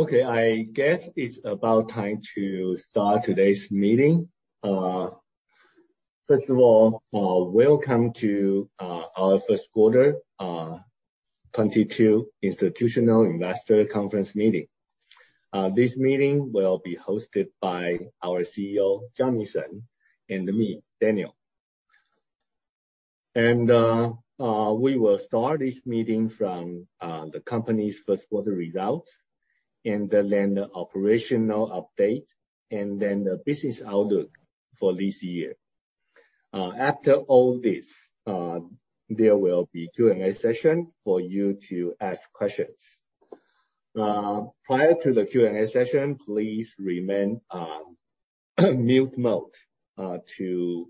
Okay, I guess it's about time to start today's meeting. First of all, welcome to our first quarter 2022 Institutional Investor Conference Meeting. This meeting will be hosted by our CEO, Johnny Shen, and me, Daniel. We will start this meeting from the company's first quarter results, and then the operational update, and then the business outlook for this year. After all this, there will be Q&A session for you to ask questions. Prior to the Q&A session, please remain on mute mode to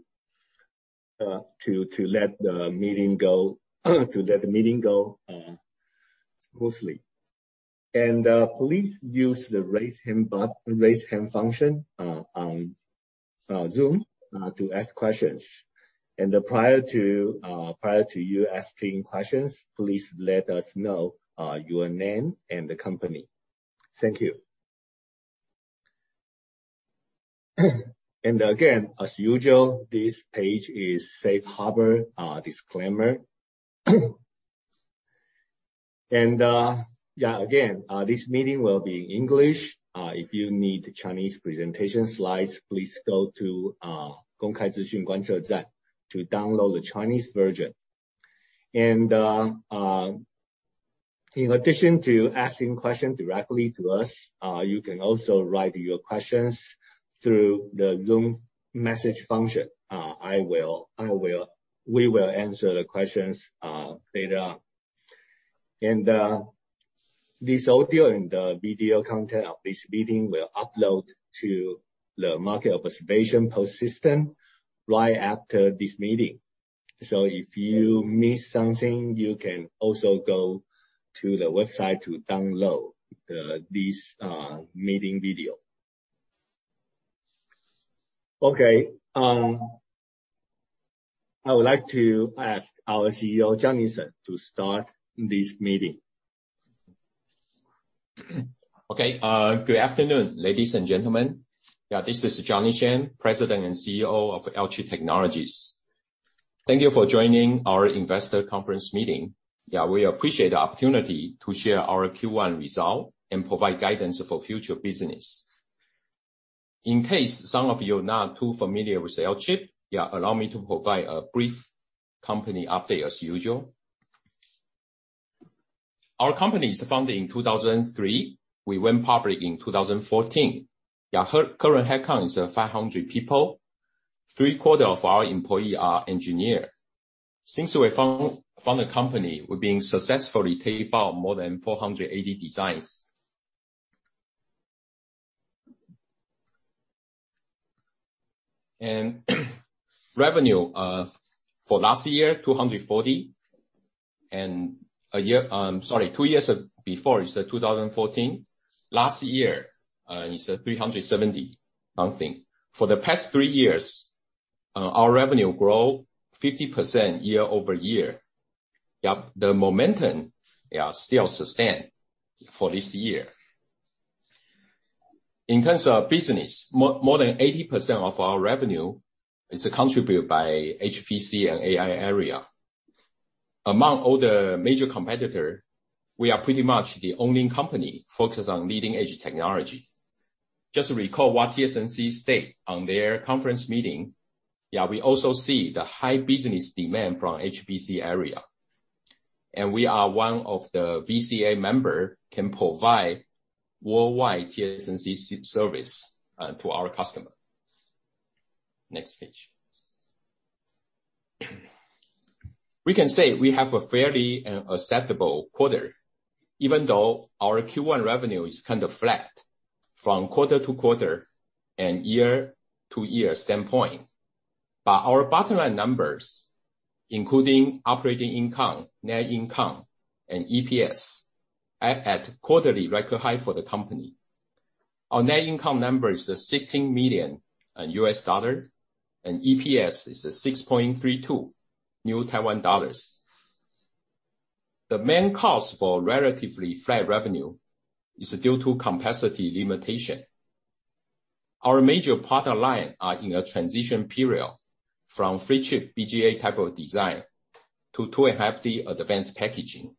let the meeting go smoothly. Please use the raise hand function on Zoom to ask questions. Prior to you asking questions, please let us know your name and the company. Thank you. Again, as usual, this page is Safe Harbor disclaimer. This meeting will be English. If you need the Chinese presentation slides, please go to download the Chinese version. In addition to asking questions directly to us, you can also write your questions through the Zoom message function. We will answer the questions later on. This audio and the video content of this meeting will upload to the Market Observation Post System right after this meeting. If you miss something, you can also go to the website to download this meeting video. I would like to ask our CEO, Johnny Shen, to start this meeting. Okay. Good afternoon, ladies and gentlemen. This is Johnny Shen, President and CEO of Alchip Technologies. Thank you for joining our investor conference meeting. We appreciate the opportunity to share our Q1 result and provide guidance for future business. In case some of you are not too familiar with Alchip, allow me to provide a brief company update as usual. Our company is founded in 2003. We went public in 2014. Current headcount is 500 people. 3/4 of our employees are engineers. Since we founded the company, we've been successfully tape out more than 480 designs. Revenue for last year, 240. A year, sorry, two years before, it's 2014. Last year, it's 370 something. For the past three years, our revenue grow 50% year-over-year. The momentum still sustained for this year. In terms of business, more than 80% of our revenue is contributed by HPC and AI area. Among all the major competitors, we are pretty much the only company focused on leading-edge technology. Just recall what TSMC state on their conference meeting. We also see the high business demand from HPC area. We are one of the VCA members can provide worldwide TSMC service to our customer. Next page. We can say we have a fairly acceptable quarter, even though our Q1 revenue is kind of flat from quarter-to-quarter and year-to-year standpoint. Our bottom line numbers, including operating income, net income, and EPS, at quarterly record high for the company. Our net income number is $16 million, and EPS is 6.32 TWD. The main cause for relatively flat revenue is due to capacity limitation. Our major product line are in a transition period from flip chip BGA type of design to 2.5D advanced packaging.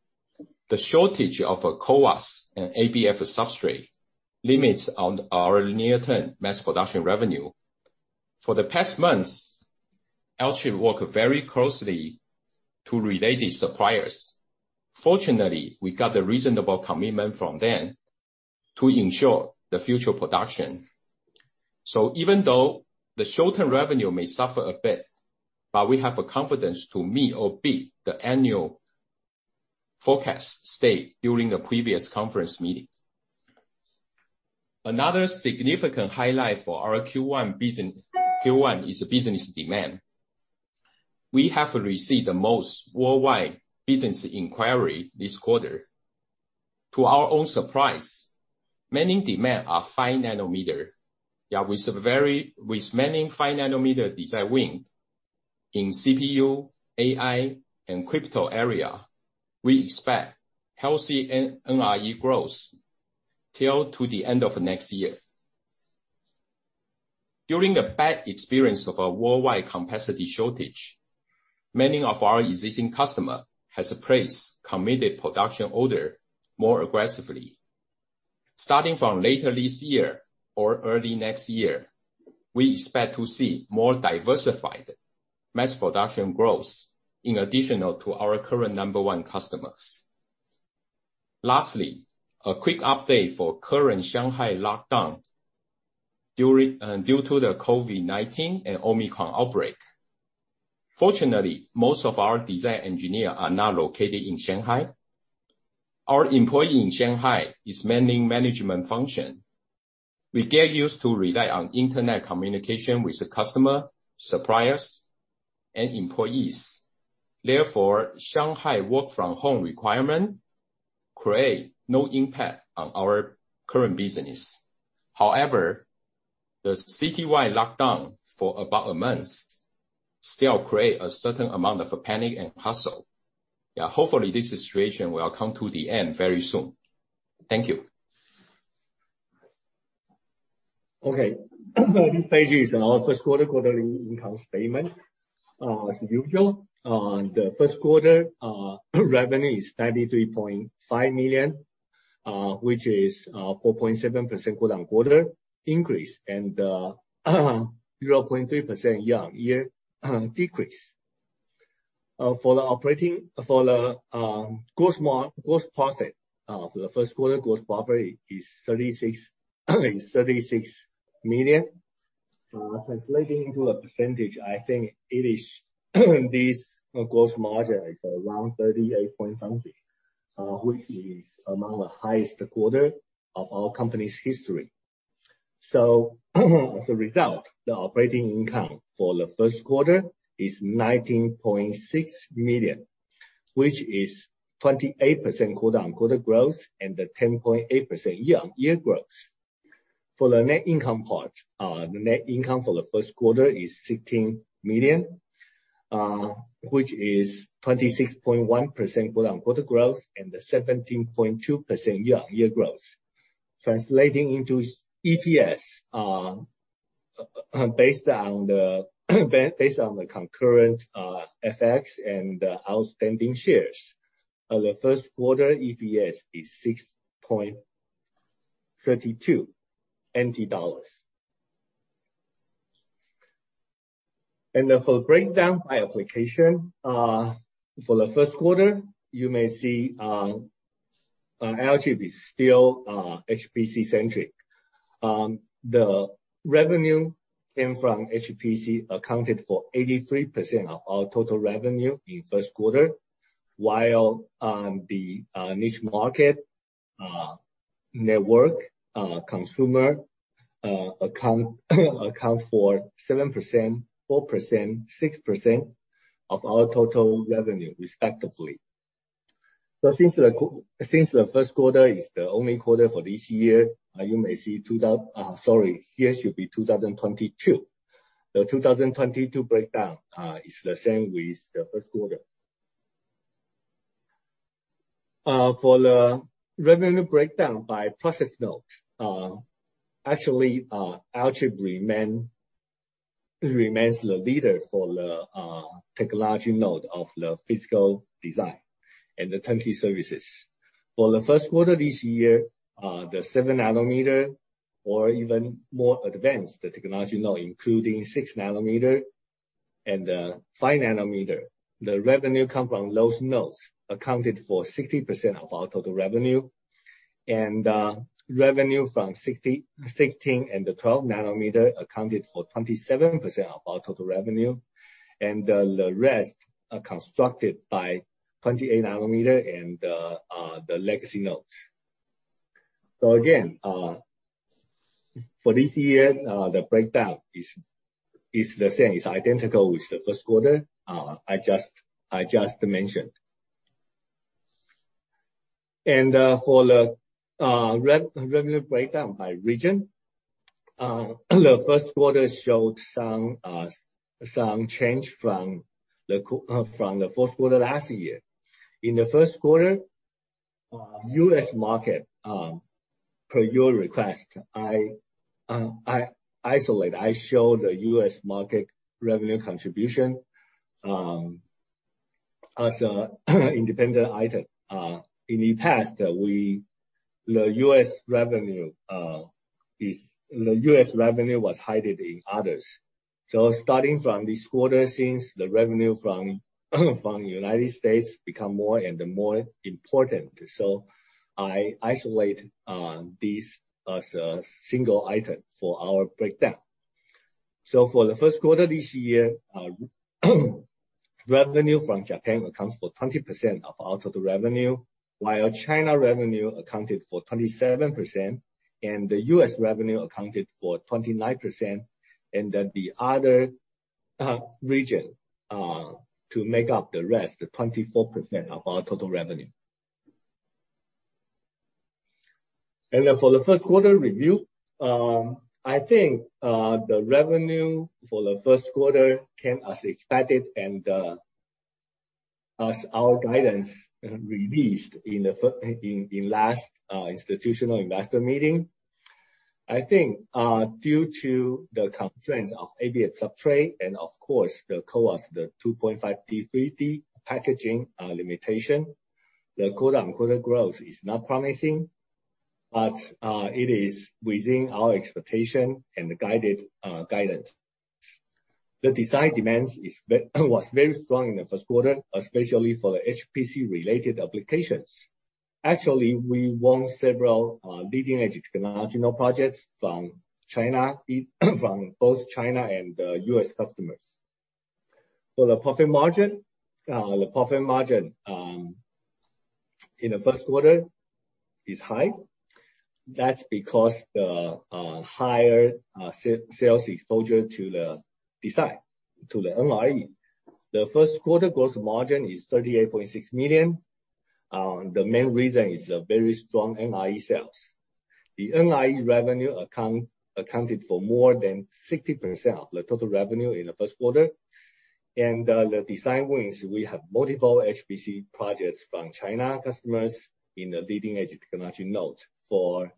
The shortage of CoWoS and ABF substrate limits on our near-term mass production revenue. For the past months, Alchip work very closely to related suppliers. Fortunately, we got a reasonable commitment from them to ensure the future production. Even though the short-term revenue may suffer a bit, but we have a confidence to meet or beat the annual forecast stated during the previous conference meeting. Another significant highlight for our Q1 business. Q1 is business demand. We have received the most worldwide business inquiry this quarter. To our own surprise, many demands are 5 nm. Yeah, with many 5 nm design wins. In CPU, AI, and crypto area, we expect healthy NRE growth until the end of next year. During the bad experience of a worldwide capacity shortage, many of our existing customers have placed committed production orders more aggressively. Starting from later this year or early next year, we expect to see more diversified mass production growth in addition to our current number one customers. Lastly, a quick update for current Shanghai lockdown due to the COVID-19 and Omicron outbreak. Fortunately, most of our design engineers are not located in Shanghai. Our employees in Shanghai are manning management function. We get used to rely on internet communication with the customers, suppliers and employees. Therefore, Shanghai work from home requirement creates no impact on our current business. However, the citywide lockdown for about a month still create a certain amount of panic and hustle. Yeah, hopefully this situation will come to the end very soon. Thank you. Okay. This page is our first quarter quarterly income statement. As usual, the first quarter revenue is 33.5 million, which is 4.7% quarter-on-quarter increase, and 0.3% year-on-year decrease. For the gross profit, for the first quarter, gross profit is 36 million. Translating into a percentage, I think it is this gross margin is around 38 point something%, which is among the highest quarter of our company's history. As a result, the operating income for the first quarter is 19.6 million, which is 28% quarter-on-quarter growth and 10.8% year-on-year growth. For the net income part, the net income for the first quarter is 16 million, which is 26.1% quarter-on-quarter growth and 17.2% year-on-year growth. Translating into EPS, based on the concurrent FX and outstanding shares, the first quarter EPS is TWD 6.32. For the breakdown by application, for the first quarter, you may see Alchip is still HPC-centric. The revenue came from HPC accounted for 83% of our total revenue in first quarter. While the niche market, network, consumer account for 7%, 4%, 6% of our total revenue, respectively. Since the first quarter is the only quarter for this year, you may see 2022. Here should be 2022. The 2022 breakdown is the same with the first quarter. For the revenue breakdown by process node, actually, Alchip remains the leader for the technological node of the physical design and the turnkey services. For the first quarter this year, the 7 nm or even more advanced the technology now, including 6 nanometer and 5 nmn. The revenue come from those nodes accounted for 60% of our total revenue. Revenue from 16 nm and the 12 nm accounted for 27% of our total revenue. The rest are constructed by 28 nm and the legacy nodes. Again, for this year, the breakdown is the same. It's identical with the first quarter I just mentioned. For the revenue breakdown by region, the first quarter showed some change from the fourth quarter last year. In the first quarter, U.S. market, per your request, I isolate, I show the U.S. market revenue contribution, as a independent item. In the past, the U.S. revenue was hiding in others. Starting from this quarter, since the revenue from United States become more and more important. I isolate this as a single item for our breakdown. For the first quarter this year, revenue from Japan accounts for 20% of our total revenue, while China revenue accounted for 27%, and the U.S. revenue accounted for 29%. The other region to make up the rest, the 24% of our total revenue. For the first quarter review, I think the revenue for the first quarter came as expected and as our guidance released in the last institutional investor meeting. I think due to the constraints of ABF substrate and of course the CoWoS, the 2.5D, 3D packaging limitation, the quarter-on-quarter growth is not promising but it is within our expectation and guided guidance. The design demand was very strong in the first quarter, especially for the HPC related applications. Actually, we won several leading-edge technological projects from China, from both China and U.S. customers. For the profit margin, the profit margin in the first quarter is high. That's because the higher sales exposure to the design, to the NRE. The first quarter gross margin is 38.6%. The main reason is the very strong NRE sales. The NRE revenue accounted for more than 60% of the total revenue in the first quarter. The design wins, we have multiple HPC projects from China customers in the leading edge technology node for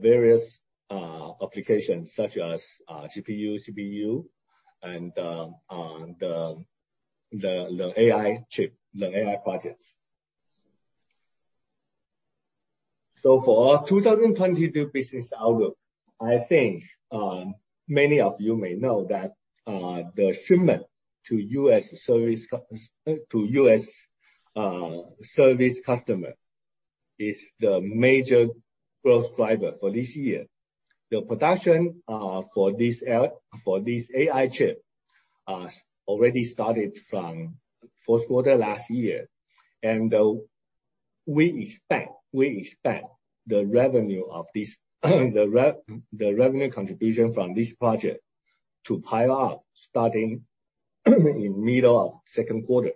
various applications such as GPU, CPU and the AI chip, the AI projects. For our 2022 business outlook, I think many of you may know that the shipment to U.S. service customer is the major growth driver for this year. The production for this AI chip already started from fourth quarter last year. We expect the revenue contribution from this project to pile up starting in middle of second quarter.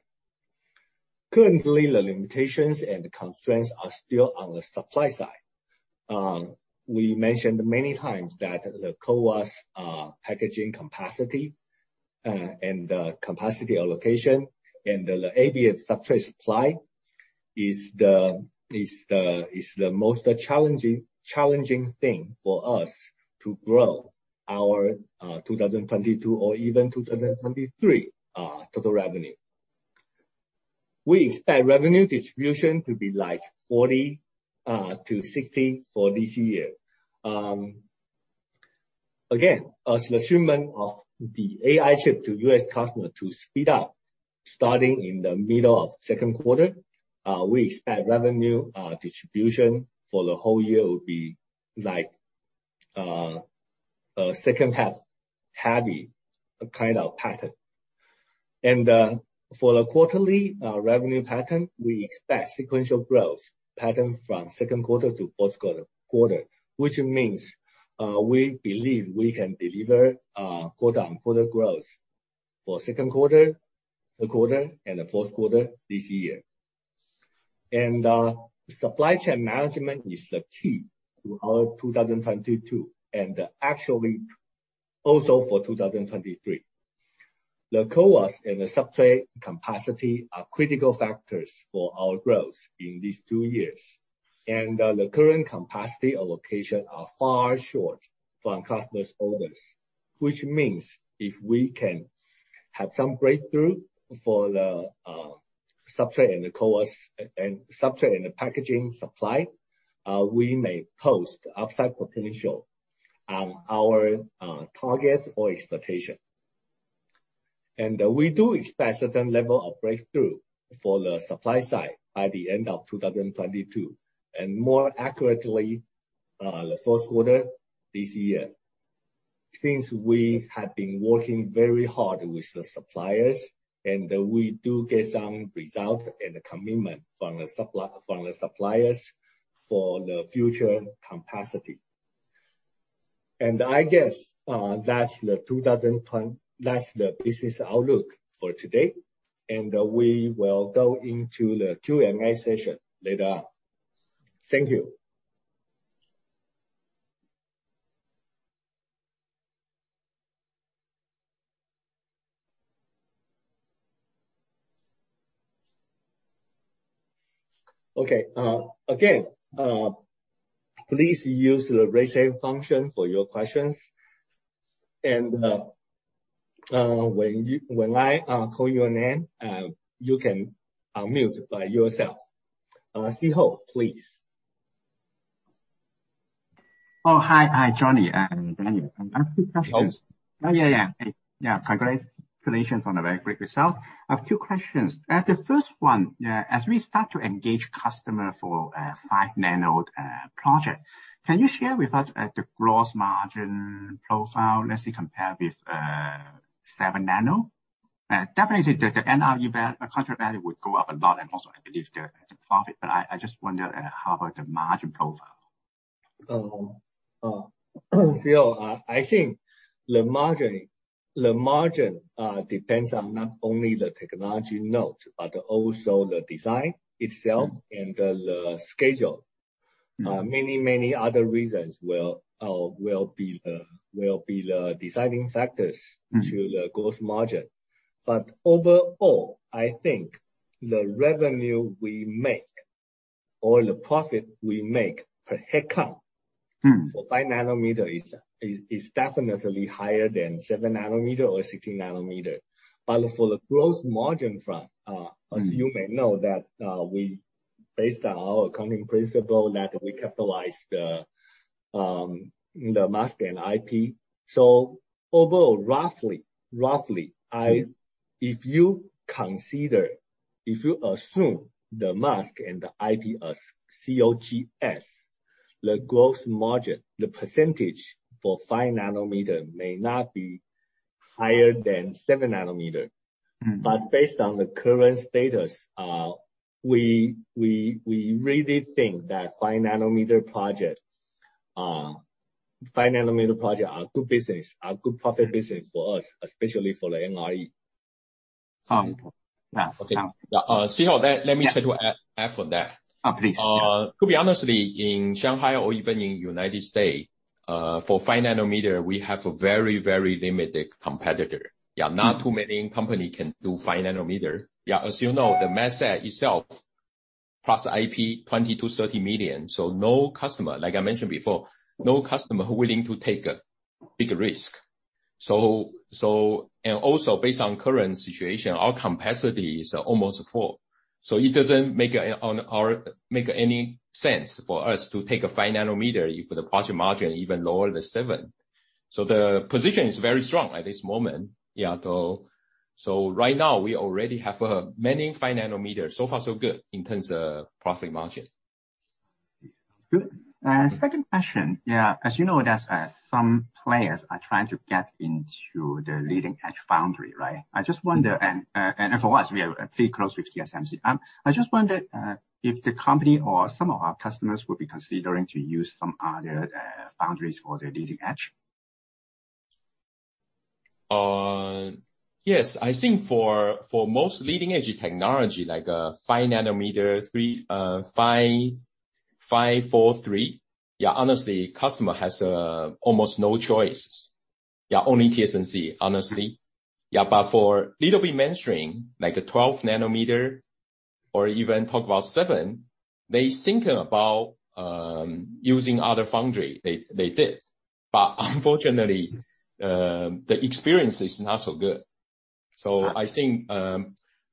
Currently, the limitations and constraints are still on the supply side. We mentioned many times that the CoWoS packaging capacity and the capacity allocation and the ABF substrate supply is the most challenging thing for us to grow our 2022 or even 2023 total revenue. We expect revenue distribution to be like 40%-60% for this year. Again, as the shipment of the AI chip to U.S. customer to speed up starting in the middle of second quarter, we expect revenue distribution for the whole year will be like a second half heavy kind of pattern. For the quarterly revenue pattern, we expect sequential growth pattern from second quarter to fourth quarter. Which means, we believe we can deliver quarter-on-quarter growth for second quarter, third quarter and the fourth quarter this year. Supply chain management is the key to our 2022 and actually also for 2023. The CoWoS and the substrate capacity are critical factors for our growth in these two years. The current capacity allocation are far short from customers orders. Which means if we can have some breakthrough for the substrate and the CoWoS, and substrate and the packaging supply, we may post upside potential on our targets or expectation. We do expect certain level of breakthrough for the supply side by the end of 2022, and more accurately, the first quarter this year. Since we have been working very hard with the suppliers, and we do get some result and commitment from the suppliers for the future capacity. I guess that's the business outlook for today, and we will go into the Q&A session later on. Thank you. Okay, again, please use the raise hand function for your questions. When I call your name, you can unmute by yourself. Chi Ho, please. Oh, hi. Hi, Johnny and Daniel. I have two questions. Si Ho. Oh, yeah. Yeah, congratulations on a very great result. I have two questions. The first one, as we start to engage customer for 5 nm project, can you share with us the gross margin profile, let's say compare with 7 nm. Definitely the NRE contract value would go up a lot and also I believe the profit. I just wonder how about the margin. I think the margin depends on not only the technology node but also the design itself and the schedule. Many other reasons will be the deciding factors. to the growth margin. Overall, I think the revenue we make or the profit we make per headcount 5 nm is definitely higher than 7 nm or 16 nm. For the gross margin front. As you may know that, we based on our accounting principle that we capitalize the mask and IP. Overall, roughly, if you consider, if you assume the mask and the IP as COGS, the gross margin, the percentage for 5 nm may not be higher than 7 nm Based on the current status, we really think that 5 nm project are good profit business for us, especially for the NRE. Yeah. Okay. Yeah, Chi Ho, let me try to add on that. Oh, please. Yeah. To be honest, in Shanghai or even in United States, for 5 nm we have a very, very limited competitor. Yeah. Not too many company can do 5 nm Yeah. As you know, the mask itself, plus IP, 20 million-30 million, so no customer, like I mentioned before, no customer willing to take a big risk. Based on current situation, our capacity is almost full. So it doesn't make any sense for us to take a 5 nmif the project margin even lower than 7%. So the position is very strong at this moment. Yeah. Right now we already have many 5 nm. So far so good in terms of profit margin. Good. Second question. Yeah. As you know, there's some players are trying to get into the leading-edge foundry, right? I just wonder for us, we are pretty close with TSMC. I just wonder if the company or some of our customers will be considering to use some other foundries for their leading edge. I think for most leading-edge technology, like, 5 nm, 3 nm, 5 nm, 4 nm, 3 nm, honestly, customer has almost no choice. Only TSMC, honestly. But for a little bit mainstream, like a 12 nm or even talk about 7 nm, they thinking about using other foundry. They did. But unfortunately, the experience is not so good. I think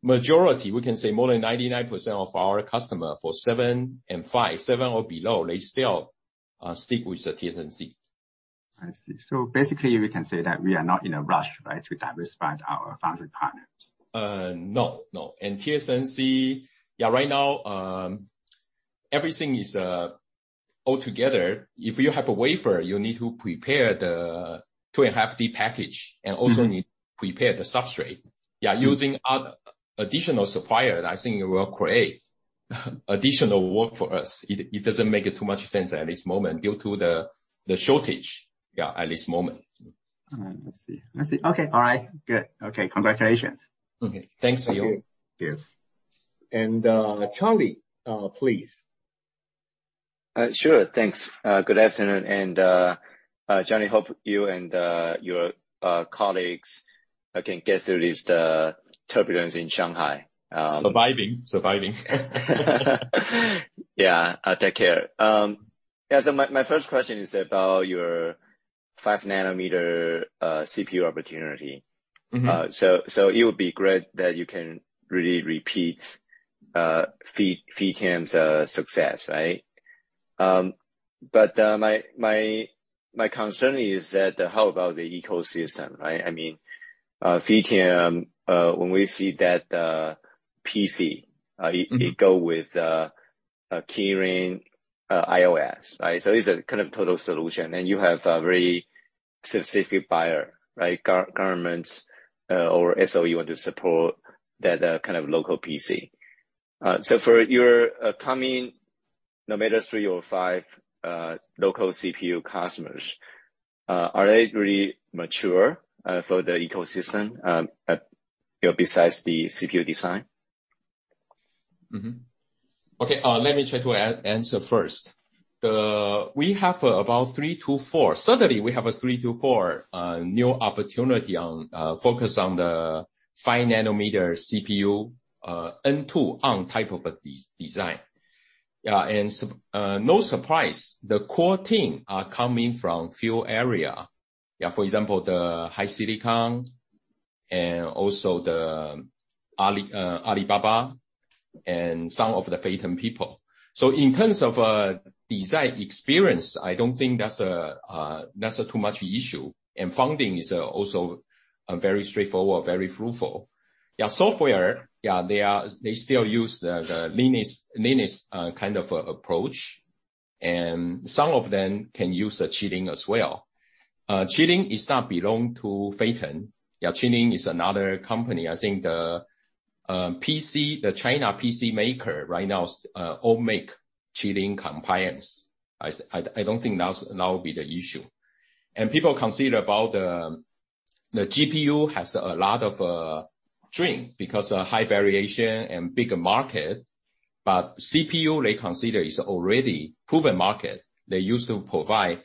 majority, we can say more than 99% of our customer for 7nm and 5nm, 7nm or below, they still stick with the TSMC. I see. Basically, we can say that we are not in a rush to diversify our foundry partners, right? No, no. TSMC, right now, everything is all together. If you have a wafer, you need to prepare the 2.5D package, and also need prepare the substrate. Using other additional supplier, I think it will create additional work for us. It doesn't make too much sense at this moment due to the shortage, at this moment. All right. I see. Okay. All right. Good. Okay. Congratulations. Okay. Thanks, Chi Ho. Okay. Cheers. Charlie, please. Sure. Thanks. Good afternoon. Johnny, hope you and your colleagues can get through this turbulence in Shanghai. Surviving. Yeah. Take care. Yeah. My first question is about your 5 nanometer CPU opportunity. Mm-hmm. It would be great that you can really repeat FEITENG's success, right? My concern is that how about the ecosystem, right? I mean, FEITENG, when we see that PC, it go with a Kirin iOS, right? It's a kind of total solution. You have a very specific buyer, right? Governments or SOE want to support that kind of local PC. For your coming, no matter three or five, local CPU customers, are they really mature for the ecosystem, you know, besides the CPU design? Let me try to answer first. We have about 3-4 new opportunities focused on the 5-nanometer CPU, N2 ARM type of a design. No surprise, the core team are coming from a few areas. For example, the HiSilicon and also the Alibaba and some of the Phytium people. In terms of design experience, I don't think that's too much issue. Funding is also very straightforward, very fruitful. Software, they still use the Linux kind of approach. Some of them can use the Kylin as well. Kylin is not belong to Phytium. Kylin is another company. I think the PC, the Chinese PC maker right now, all make China compliance. I don't think that will be the issue. People consider about the GPU has a lot of room because a high margin and bigger market. CPU, they consider, is already proven market. They used to provide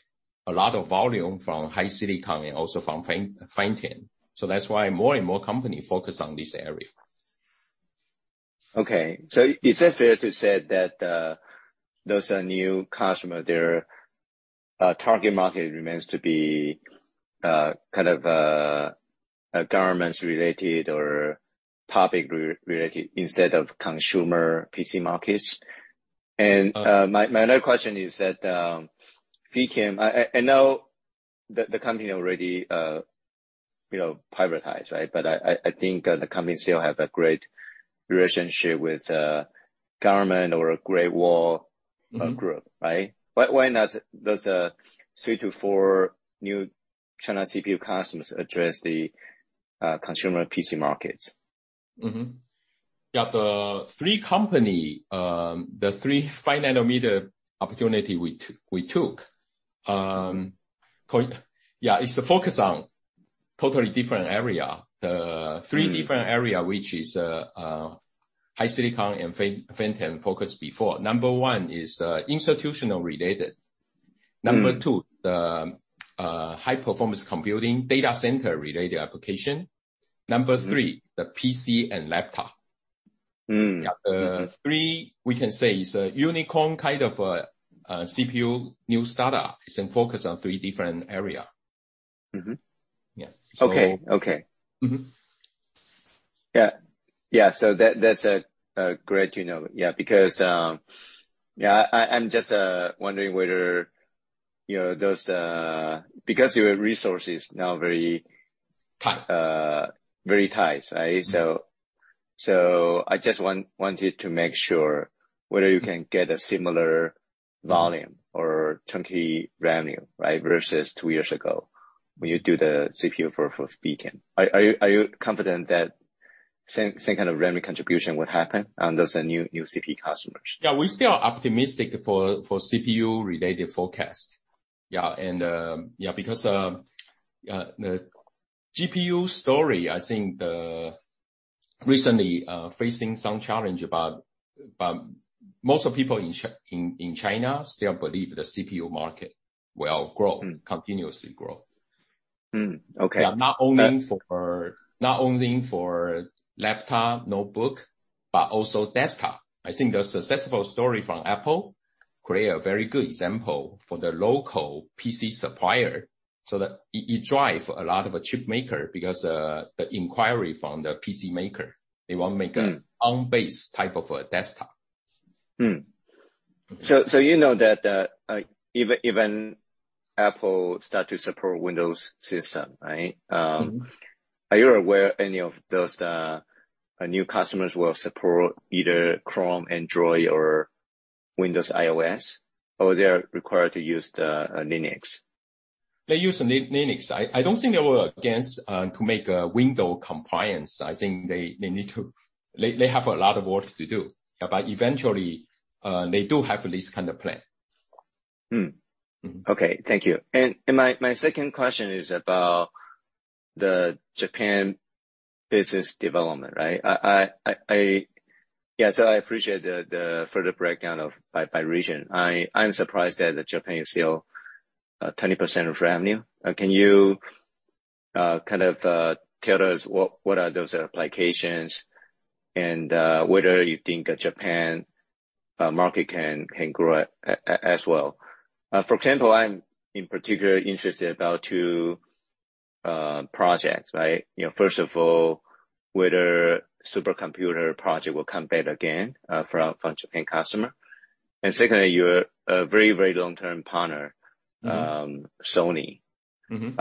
a lot of volume from HiSilicon and also from Phytium. That's why more and more company focus on this area. Is it fair to say that those are new customer, their target market remains to be kind of a government-related or public-related instead of consumer PC markets? My other question is that Phytium, I know the company already you know privatized, right? But I think the company still have a great relationship with government or Great Wall- Mm-hmm. group, right? Why not those 3-4 new China CPU customers address the consumer PC markets? Yeah. The three 5 nanometer opportunities we took. Yeah, it's a focus on totally different areas. The three different areas which HiSilicon and Phytium focused before. Number one is institutional related. Mm. Number 2, the high performance computing data center related application. Number 3, the PC and laptop. Mm. Yeah. Phytium we can say is a unicorn kind of CPU new startup. It focuses on three different areas. Mm-hmm. Yeah. Okay. Okay. Yeah, that's great to know. Yeah, because yeah, I'm just wondering whether you know those. Because your resource is now very Tight. Very tight, right? I just wanted to make sure whether you can get a similar volume or turnkey revenue, right? Versus two years ago when you do the CPU for Beacon. Are you confident that same kind of revenue contribution would happen on those new CPU customers? Yeah. We still are optimistic for CPU related forecast. Yeah. Because the GPU story, I think. Recently facing some challenge about most of people in China still believe the CPU market will grow. Mm. Continuously grow. Okay. Yeah. Not only for laptop, notebook, but also desktop. I think the successful story from Apple create a very good example for the local PC supplier, so that it drive a lot of a chip maker because the inquiry from the PC maker, they wanna make- Mm. an ARM-based type of a desktop. You know that even Apple start to support Windows system, right? Are you aware any of those new customers will support either Chrome, Android or Windows iOS? Or they're required to use the Linux? They use Linux. I don't think they were against to make a Windows compliance. I think they need to. They have a lot of work to do. Eventually, they do have this kind of plan. Okay. Thank you. My second question is about the Japan business development, right? I appreciate the further breakdown by region. I'm surprised that Japan is still 20% of revenue. Can you kind of tell us what are those applications and whether you think Japan market can grow as well? For example, I'm particularly interested in two projects, right? You know, first of all, whether supercomputer project will come back again for a Japan customer. Secondly, your very long-term partner- Mm. Sony. Mm-hmm.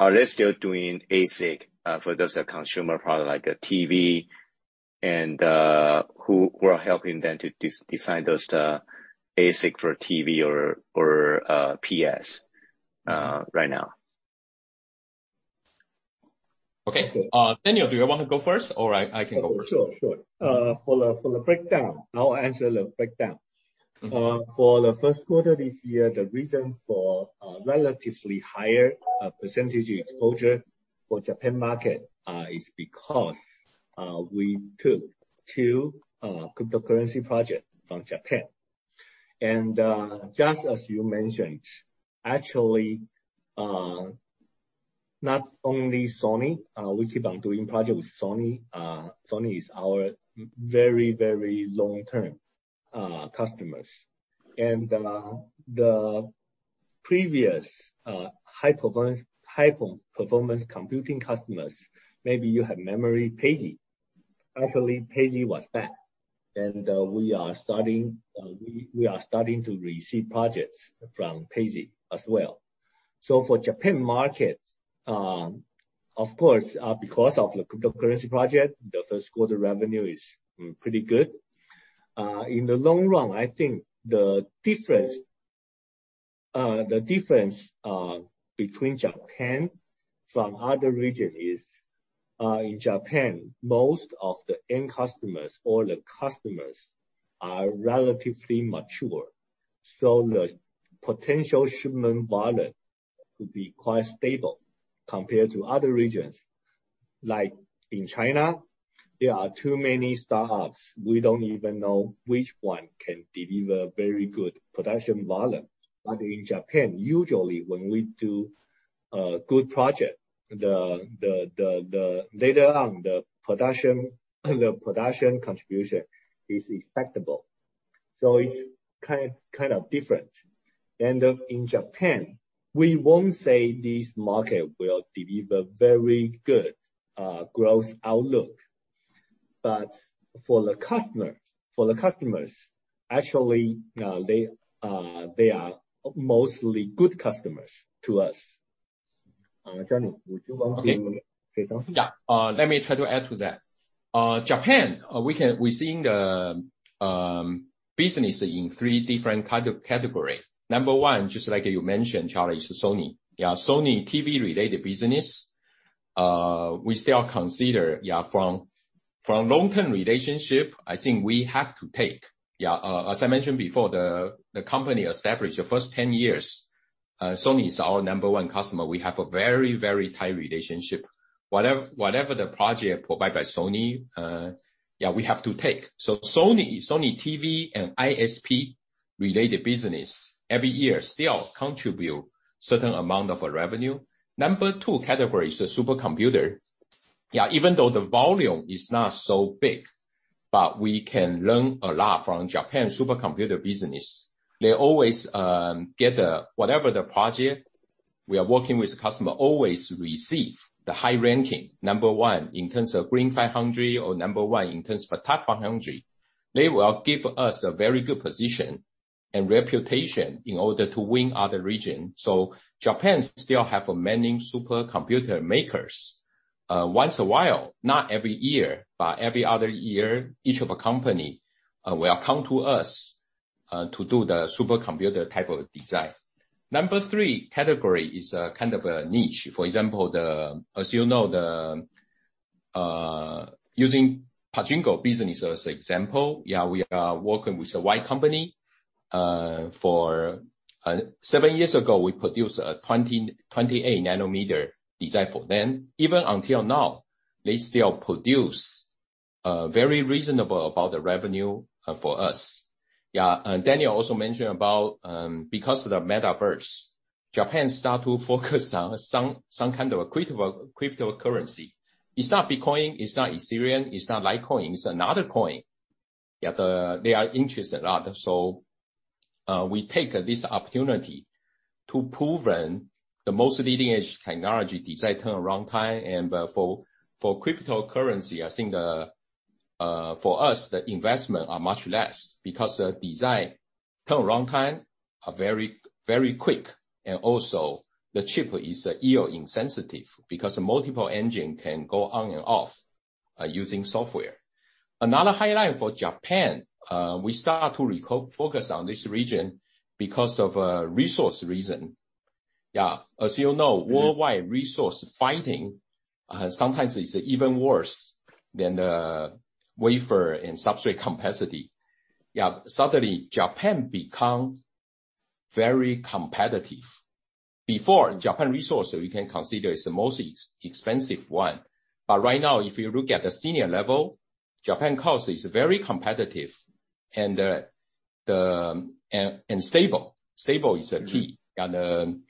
Are they still doing ASIC for those consumer product like a TV and we're helping them to design those ASIC for TV or PS right now? Okay. Daniel, do you wanna go first? Or I can go first. Sure, sur e. For the breakdown, I'll answer the breakdown. Mm-hmm. For the first quarter this year, the reason for relatively higher percentage exposure for Japan market is because we took two cryptocurrency projects from Japan. Just as you mentioned, actually, not only Sony, we keep on doing projects with Sony. Sony is our very, very long-term customers. The previous high performance computing customers, maybe you have memory, PEZY. Actually, PEZY was back. We are starting to receive projects from PEZY as well. For Japan markets, of course, because of the cryptocurrency projects, the first quarter revenue is pretty good. In the long run, I think the difference between Japan from other region is, in Japan, most of the end customers or the customers are relatively mature. The potential shipment volume could be quite stable compared to other regions. Like in China, there are too many startups. We don't even know which one can deliver very good production volume. In Japan, usually when we do a good project, later on, the production contribution is expectable. It's kind of different. In Japan, we won't say this market will deliver very good growth outlook. For the customers, actually, they are mostly good customers to us. Johnny, would you want to say something? Yeah. Let me try to add to that. Japan, we're seeing the business in three different kind of category. Number one, just like you mentioned, Charlie, is Sony. Yeah, Sony TV related business. We still consider, from long-term relationship, I think we have to take. Yeah, as I mentioned before, the company established the first 10 years, Sony is our number one customer. We have a very, very tight relationship. Whatever the project provided by Sony, yeah, we have to take. Sony TV and ISP related business every year still contribute certain amount of revenue. Number two category is the supercomputer. Yeah, even though the volume is not so big, but we can learn a lot from Japan supercomputer business. They always get whatever the project we are working with the customer, always receive the high ranking, number one in terms of Green500 or number one in terms of TOP500. They will give us a very good position and reputation in order to win other region. Japan still have many supercomputer makers. Once in a while, not every year, but every other year, each of the company will come to us to do the supercomputer type of design. Number three category is a kind of a niche. For example, as you know, using pachinko business as example, yeah, we are working with a Y company. For seven years ago, we produced a 28-nanometer design for them. Even until now, they still produce very reasonable about the revenue for us. Daniel also mentioned about, because of the Metaverse, Japan start to focus on some kind of a crypto, cryptocurrency. It's not Bitcoin, it's not Ethereum, it's not Litecoin, it's another coin. They are interested a lot. We take this opportunity to prove the most leading-edge technology design turn around time. For cryptocurrency, I think, for us, the investment are much less because the design turn around time are very, very quick. Also the chip is EO insensitive because multiple engine can go on and off using software. Another highlight for Japan, we start to focus on this region because of resource reason. As you know, worldwide resource fighting sometimes is even worse than the wafer and substrate capacity. Suddenly, Japan become very competitive. Before, Japan resource we can consider is the most expensive one. Right now, if you look at the senior level, Japan cost is very competitive and stable. Stable is the key. In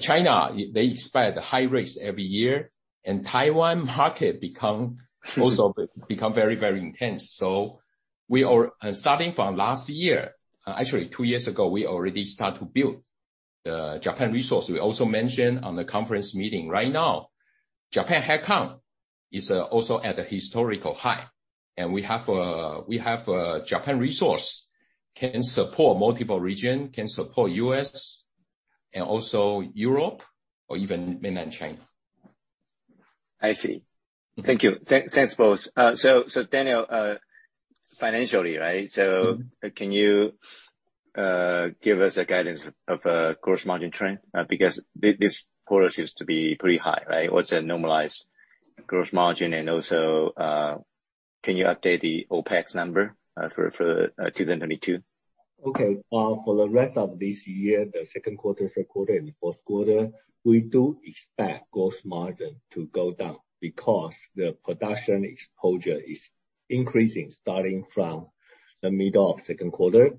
China, they offer high rates every year, and Taiwan market also become very, very intense. We are starting from last year, actually two years ago, we already start to build the Japan resource. We also mentioned on the conference meeting. Right now, Japan headcount is also at a historical high, and we have a Japan resource can support multiple region, can support U.S., and also Europe or even Mainland China. I see. Thank you. Thanks both. Daniel, financially, right? Can you give us a guidance of gross margin trend? Because this quarter seems to be pretty high, right? What's the normalized gross margin? Also, can you update the OpEx number for 2022? Okay. For the rest of this year, the second quarter, third quarter, and fourth quarter, we do expect gross margin to go down because the production exposure is increasing starting from the middle of second quarter.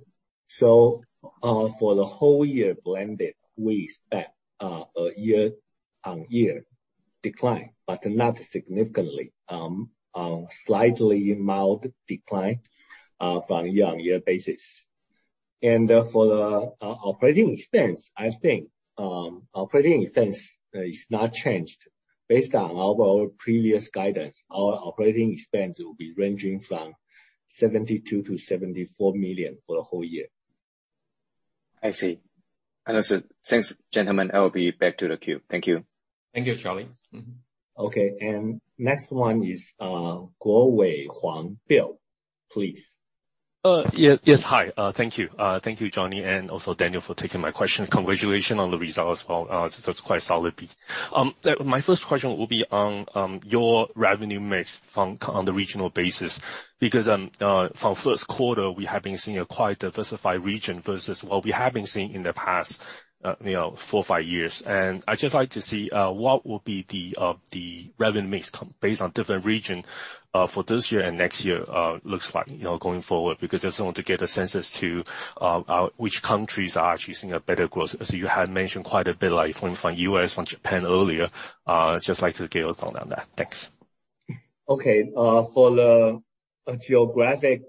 For the whole year blended, we expect a year-on-year decline, but not significantly, slightly mild decline, from year-on-year basis. For the operating expense, I think, operating expense is not changed. Based on our previous guidance, our operating expense will be ranging from 72 million-74 million for the whole year. I see. Understood. Thanks, gentlemen. I will be back to the queue. Thank you. Thank you, Charlie.. Okay. Next one is, Bill Huang, Guotai. Please. Yeah, yes, hi. Thank you. Thank you, Johnny, and also Daniel, for taking my question. Congratulations on the results as well. It's quite solid. My first question will be on your revenue mix on the regional basis, because from first quarter, we have been seeing a quite diversified region versus what we have been seeing in the past, you know, 4 years, 5 years. I just like to see what will be the revenue mix based on different region for this year and next year looks like, you know, going forward. Because I just want to get a sense as to which countries are actually seeing a better growth. You had mentioned quite a bit, like from U.S., from Japan earlier. Just like to get a thought on that. Thanks. Okay. For the geographic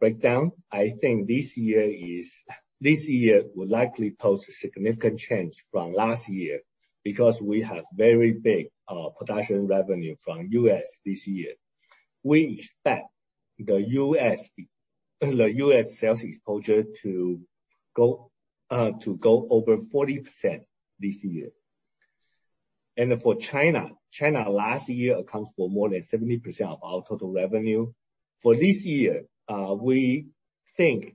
breakdown, I think this year will likely pose a significant change from last year because we have very big production revenue from U.S. this year. We expect the U.S. sales exposure to go over 40% this year. For China last year accounts for more than 70% of our total revenue. For this year, we think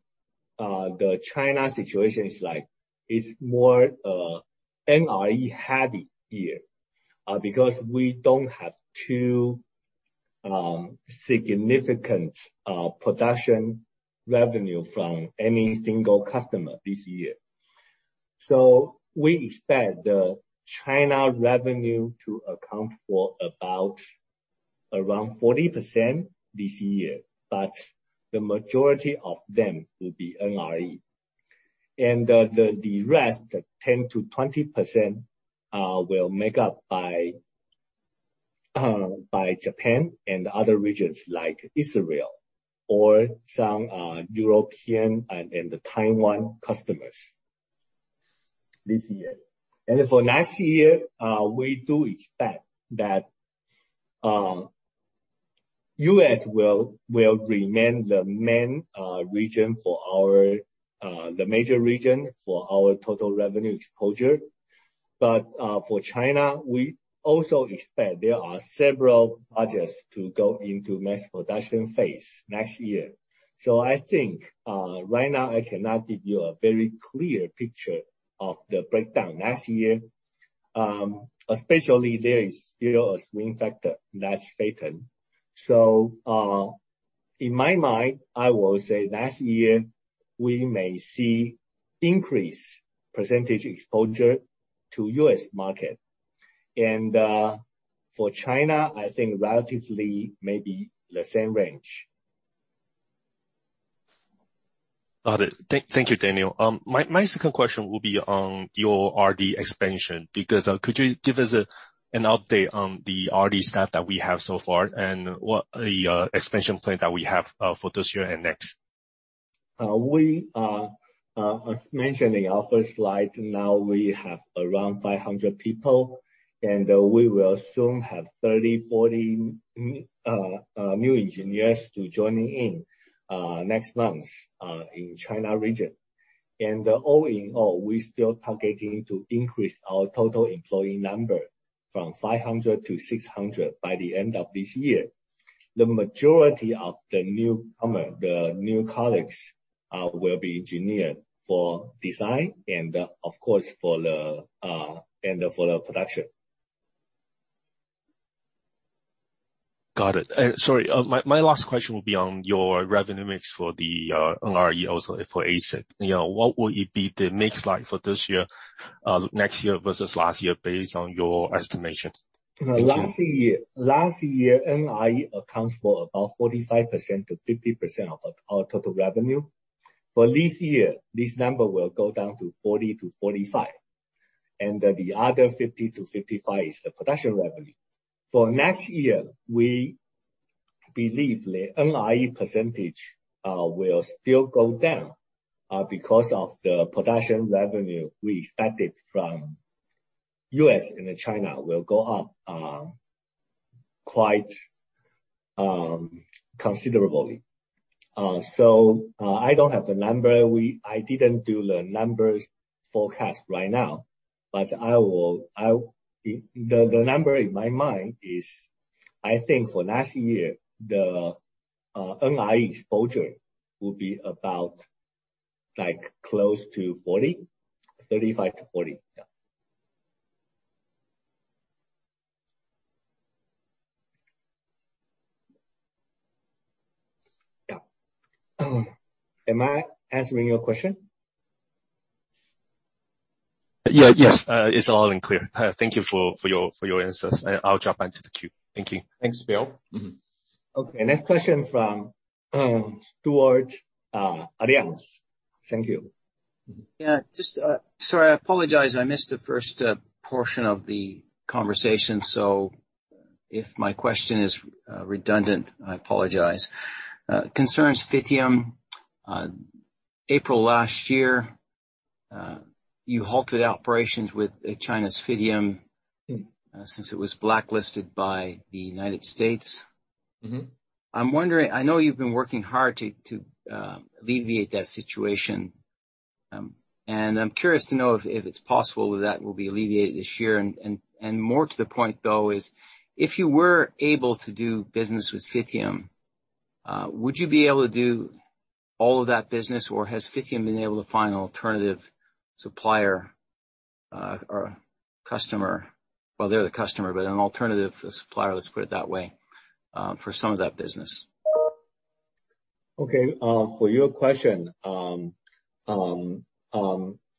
the China situation is like more NRE heavy year. Because we don't have too significant production revenue from any single customer this year. We expect the China revenue to account for about around 40% this year, but the majority of them will be NRE. The rest, the 10%-20%, will make up by Japan and other regions like Israel or some European and the Taiwan customers this year. For next year, we do expect that U.S. will remain the major region for our total revenue exposure. For China, we also expect there are several projects to go into mass production phase next year. I think right now I cannot give you a very clear picture of the breakdown next year, especially there is still a swing factor not favored. In my mind, I will say next year we may see increased percentage exposure to U.S. market. For China, I think relatively maybe the same range. Got it. Thank you, Daniel. My second question will be on your R&D expansion, because could you give us an update on the R&D staff that we have so far and what the expansion plan that we have for this year and next? We are, as mentioned in our first slide, now we have around 500 people, and we will soon have 30, 40 new engineers to joining in next month in China region. All in all, we're still targeting to increase our total employee number from 500 to 600 by the end of this year. The majority of the newcomer, the new colleagues, will be engineer for design and, of course, for the production. Got it. Sorry, my last question will be on your revenue mix for the NRE also for ASIC. You know, what will it be the mix like for this year, next year versus last year based on your estimation? Thank you. Last year, NRE accounts for about 45%-50% of our total revenue. For this year, this number will go down to 40%-45%, and the other 50%-55% is the production revenue. For next year, we believe the NRE percentage will still go down because of the production revenue we expected from US and China will go up quite considerably. I don't have the number. I didn't do the numbers forecast right now, but I will, the number in my mind is I think for next year, the NRE exposure will be about, like, close to 40%, 35%-40%. Am I answering your question? Yeah, yes. It's all clear. Thank you for your answers. I'll jump back to the queue. Thank you. Thanks, Bill. Mm-hmm. Okay, next question from Stuart Arians. Thank you. Yeah, just sorry, I apologize. I missed the first portion of the conversation. If my question is redundant, I apologize. Concerns Phytium. April last year, you halted operations with China's Phytium- Mm-hmm. Since it was blacklisted by the United States. Mm-hmm. I'm wondering, I know you've been working hard to alleviate that situation. I'm curious to know if it's possible that will be alleviated this year. More to the point, though, is if you were able to do business with Phytium, would you be able to do all of that business, or has Phytium been able to find an alternative supplier, or customer? Well, they're the customer, but an alternative supplier, let's put it that way, for some of that business. Okay. For your question,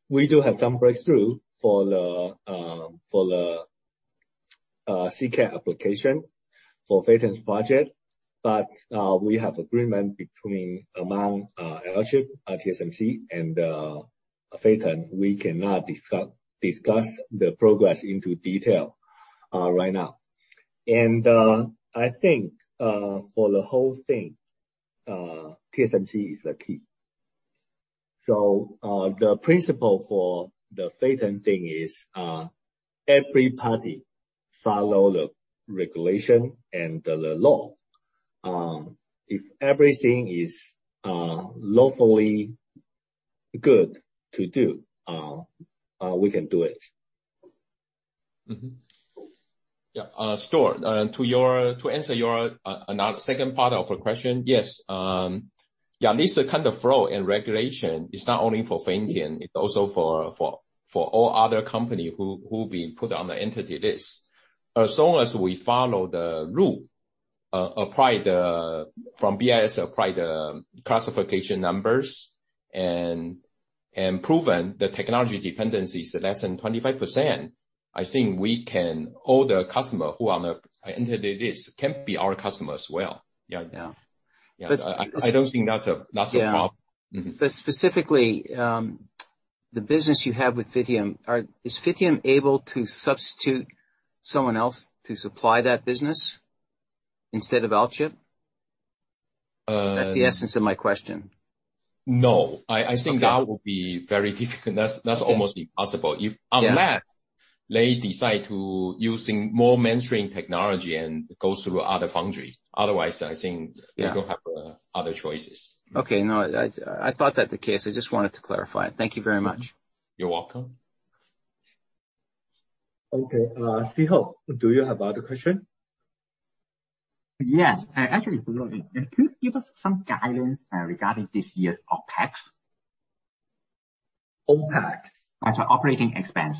we do have some breakthrough for the CCAR application for Phytium's project. We have agreement among Alchip, TSMC, and Phytium. We cannot discuss the progress in detail right now. I think, for the whole thing, TSMC is the key. The principle for the Phytium thing is every party follow the regulation and the law. If everything is lawfully good to do, we can do it. Yeah. Stuart, to answer your second part of your question, yes. Yeah, this kind of flow and regulation is not only for Phytium, it also for all other company who being put on the Entity List. As long as we follow the rule, apply the from BIS, apply the classification numbers and proven the technology dependencies to less than 25%, I think we can. All the customer who on the Entity List can be our customer as well. Yeah. Yeah. Yeah. I don't think that's a problem. Yeah. Mm-hmm. Specifically, the business you have with Phytium, is Phytium able to substitute someone else to supply that business instead of Alchip? Uh- That's the essence of my question. No. Okay. I think that would be very difficult. That's almost impossible. Yeah. Unless they decide to using more mainstream technology and go through other foundry. Otherwise, I think. Yeah. They don't have other choices. Okay. No. I thought that's the case. I just wanted to clarify. Thank you very much. You're welcome. Okay. Chi Ho, do you have other question? Yes. Actually, for Lloyd. Could you give us some guidance regarding this year's OpEx? OpEx? I'm sorry, operating expense.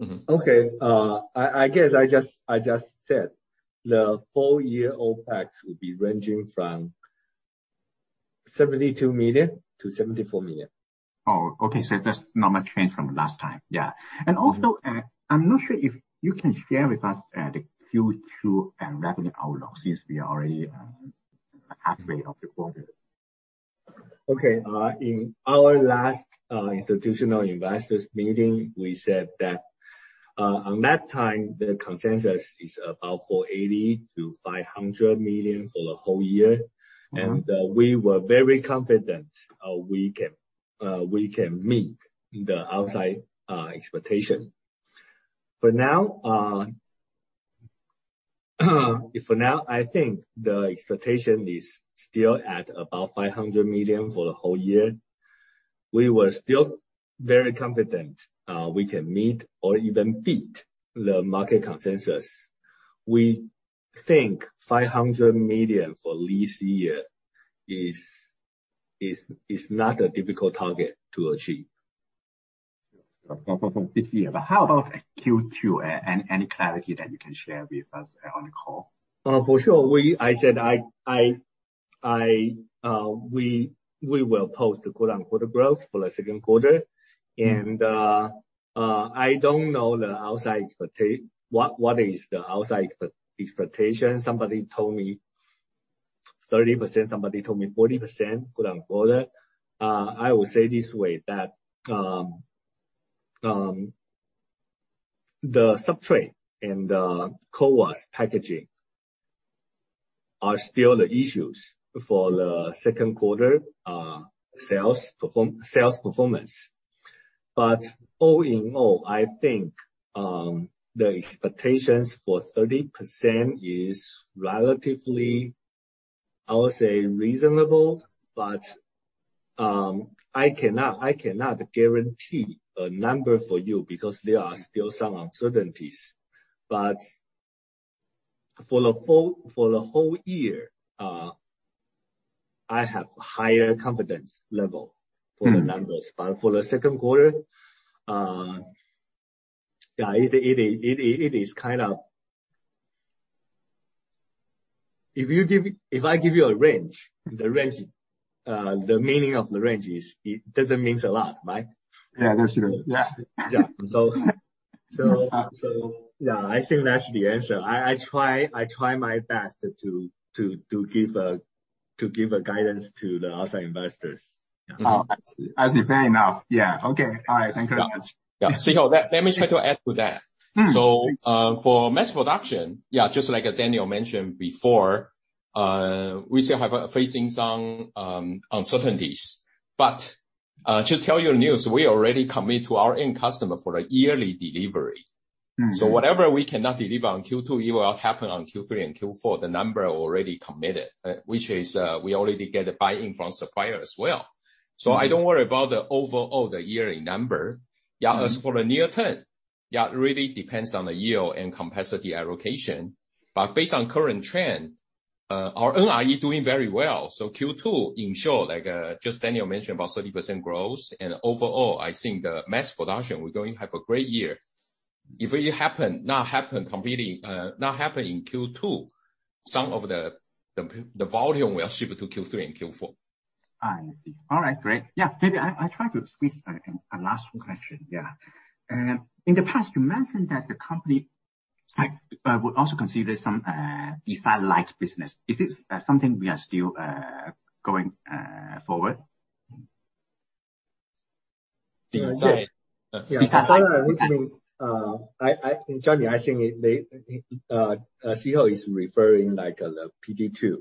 Mm-hmm. Okay. I guess I just said the full year OpEx will be ranging from 72 million-74 million. Oh, okay. That's not much change from last time. Yeah. Mm-hmm. Also, I'm not sure if you can share with us the Q2 and revenue outlook, since we are already halfway of the quarter? Okay. In our last institutional investors meeting, we said that at that time, the consensus is about 480 million-500 million for the whole year. Mm-hmm. We were very confident we can meet the outsider expectation. For now, I think the expectation is still at about 500 million for the whole year. We were still very confident we can meet or even beat the market consensus. We think 500 million for this year is not a difficult target to achieve. Sure. This year. How about Q2, and any clarity that you can share with us on the call? For sure. I said we will post the quarter-on-quarter growth for the second quarter. I don't know what the outside expectation is. Somebody told me 30%, somebody told me 40% quarter-on-quarter. I will say this way, that the substrate and the CoWoS packaging are still the issues for the second quarter, sales performance. All in all, I think the expectations for 30% is relatively, I would say reasonable, but I cannot guarantee a number for you because there are still some uncertainties. For the whole year, I have higher confidence level for the numbers. For the second quarter, it is kind of. If I give you a range, the range, the meaning of the range is it doesn't means a lot, right? Yeah. That's true. Yeah. Yeah. I think that's the answer. I try my best to give a guidance to the outside investors. Yeah. Oh, I see. Fair enough. Yeah. Okay. All right. Thank you very much. Yeah. Chi Ho, let me try to add to that. For mass production, yeah, just like Daniel Wang mentioned before, we still facing some uncertainties. To tell you news, we already commit to our end customer for a yearly delivery. Whatever we cannot deliver on Q2, it will happen on Q3 and Q4. The number already committed, which is, we already get a buy-in from supplier as well. I don't worry about the overall yearly number. As for the near term, it really depends on the yield and capacity allocation. Based on current trend, our NRE doing very well. Q2 ensure like, just Daniel mentioned, about 30% growth. Overall, I think the mass production, we're going have a great year. If it happen, not happen completely, not happen in Q2, some of the volume will ship to Q3 and Q4. I see. All right, great. Yeah. Maybe I try to squeeze a last question, yeah. In the past you mentioned that the company, like, would also consider some design like business. Is this something we are still going forward? Yes. Johnny, I think Chi Ho is referring like the PD2.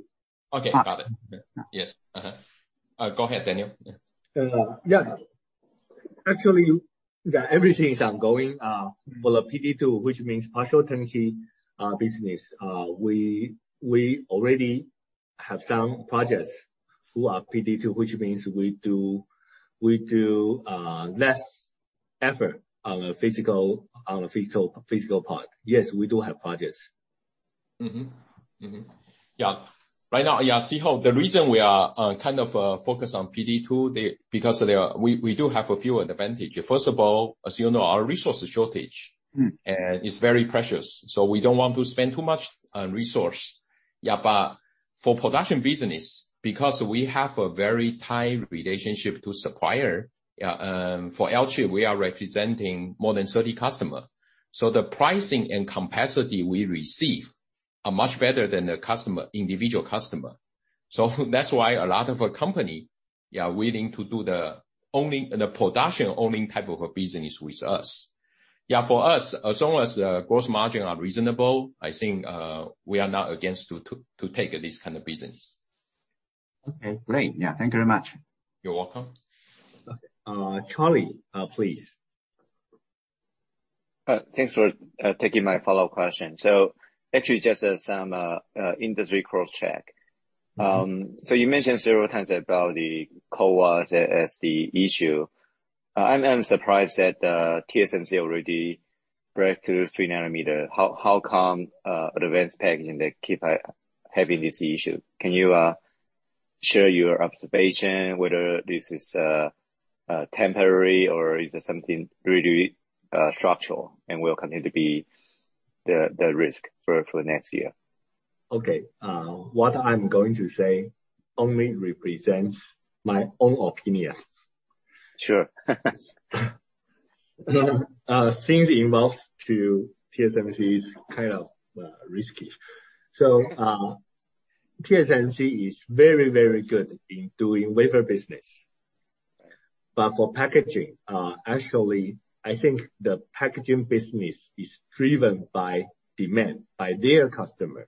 Okay, got it. Yeah. Yes. Uh-huh. Go ahead, Daniel. Yeah. Yeah. Actually, yeah, everything is ongoing for the PD2, which means partial turnkey business. We already have some projects who are PD2, which means we do less effort on a physical part. Yes, we do have projects. Right now, Chi Ho, the reason we are kind of focused on PD2 because they are. We do have a few advantage. First of all, as you know, our resources shortage. It's very precious, so we don't want to spend too much on resource. But for P;roduction business, because we have a very tight relationship to supplier, for Alchip, we are representing more than 30 customer. So the pricing and capacity we receive are much better than the customer, individual customer. So that's why a lot of our customers are willing to do the production owning type of a business with us. For us, as long as the gross margin are reasonable, I think, we are not against to take this kind of business. Okay, great. Yeah. Thank you very much. You're welcome. Okay. Charlie, please. Thanks for taking my follow-up question. Actually just some industry cross check. You mentioned several times about the CoWoS as the issue. I'm surprised that TSMC already break through 3 nm. How come advanced packaging they keep having this issue? Can you share your observation whether this is temporary or is it something really structural and will continue to be the risk for next year? Okay. What I'm going to say only represents my own opinion. Sure. Things involved with TSMC is kind of risky. TSMC is very, very good in doing wafer business. For packaging, actually, I think the Packaging business is driven by demand by their customer.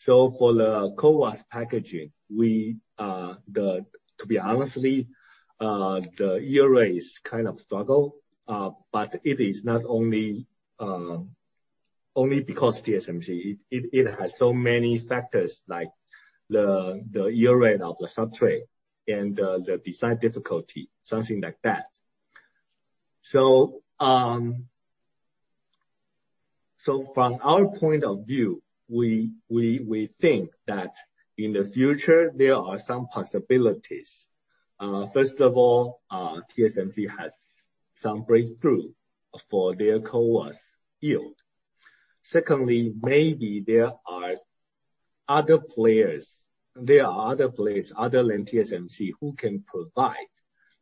For the CoWoS packaging, to be honest, the yield rate is kind of struggling, but it is not only because TSMC. It has so many factors like the yield rate of the substrate and the design difficulty, something like that. From our point of view, we think that in the future there are some possibilities. First of all, TSMC has some breakthrough for their CoWoS yield. Secondly, maybe there are other players other than TSMC who can provide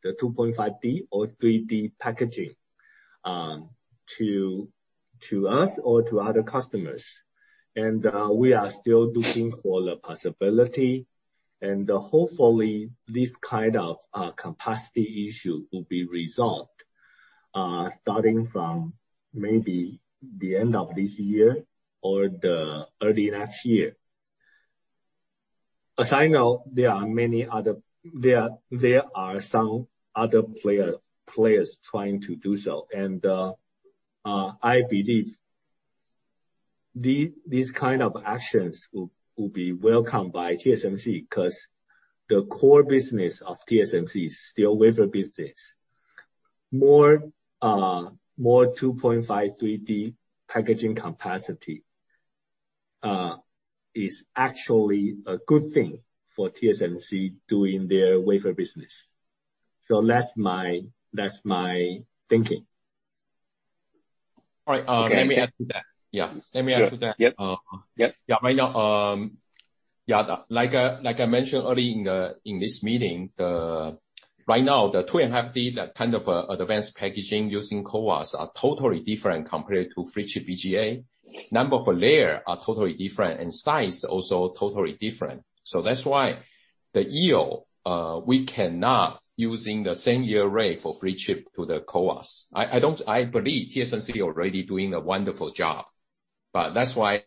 the 2.5D or 3D packaging to us or to other customers. We are still looking for the possibility. Hopefully, this kind of capacity issue will be resolved starting from maybe the end of this year or the early next year. As I know, there are many other players trying to do so. I believe these kind of actions will be welcome by TSMC, 'cause the core business of TSMC is still wafer business. More 2.5, 3D packaging capacity is actually a good thing for TSMC doing their wafer business. That's my thinking. All right. Okay. Let me add to that. Yeah. Sure. Let me add to that. Yep. Uh. Yep. Yeah, right now, like I mentioned earlier in this meeting, the 2.5D, that kind of advanced packaging using CoWoS are totally different compared to flip chip BGA. Number of layer are totally different, and size also totally different. That's why the yield, we cannot using the same yield rate for flip chip to the CoWoS. I believe TSMC already doing a wonderful job. That's why,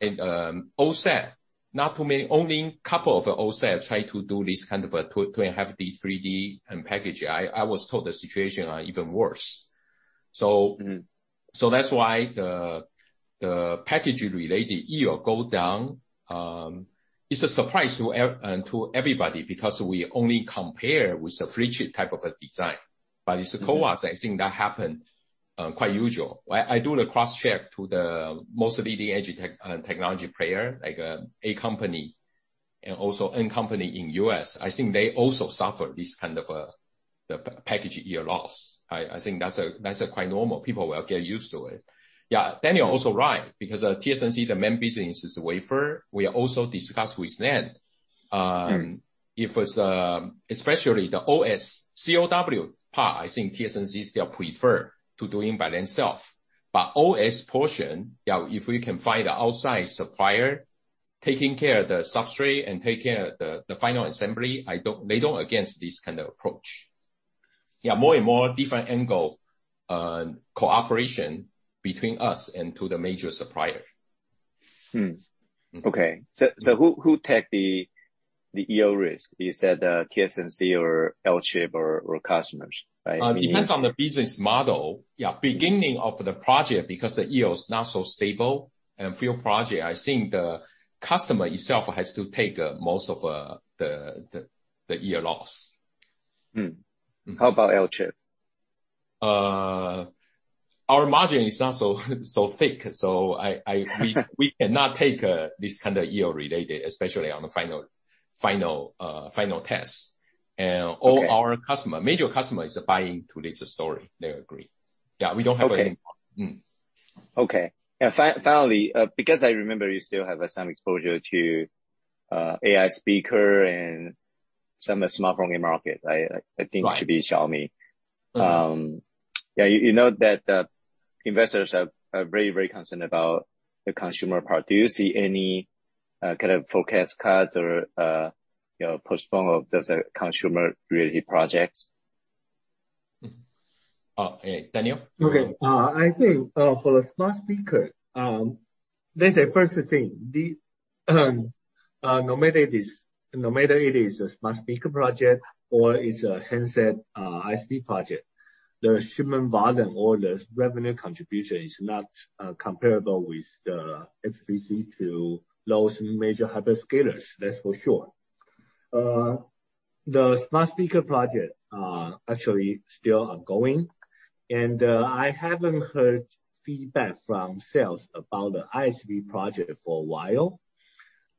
OSAT, not too many, only couple of OSAT try to do this kind of a 2.5D, 3D and package. I was told the situation are even worse. Mm-hmm. That's why the package-related yield go down. It's a surprise to everybody because we only compare with the rigid type of a design. It's a CoWoS. I think that happen quite usual. I do the cross-check to the most leading edge technology player, like, A company and also N company in U.S. I think they also suffer this kind of the package yield loss. I think that's quite normal. People will get used to it. Yeah. Daniel also right, because TSMC, the main business is wafer. We also discuss with them. If it's especially the OS, CoWoS part, I think TSMC still prefer to doing by themselves. OS portion, yeah, if we can find an outside supplier taking care of the substrate and taking care of the final assembly, they're not against this kind of approach. Yeah, more and more different angles, cooperation between us and the major supplier. Who take the yield risk? Is that TSMC or Alchip or customers? Right. We- Depends on the business model. Yeah, beginning of the project, because the yield is not so stable, and for your project, I think the customer itself has to take most of the yield loss. How about Alchip? Our margin is not so thick, so we cannot take this kind of yield related, especially on the final test. All our customers - major customers are buying into this story. They agree. Yeah, we don't have any problem. Okay. Okay. Finally, because I remember you still have some exposure to AI speaker and some smartphone in market, I think it should be Xiaomi. Yeah, you know that investors are very, very concerned about the consumer part. Do you see any kind of forecast cuts or, you know, postpone of those consumer related projects? Daniel. I think for the smart speaker, let's say first thing, no matter it is a smart speaker project or it's a handset ISP project, the shipment volume or the revenue contribution is not comparable with the FPC to those major hyperscalers. That's for sure. The smart speaker project are actually still ongoing. I haven't heard feedback from sales about the ISP project for a while.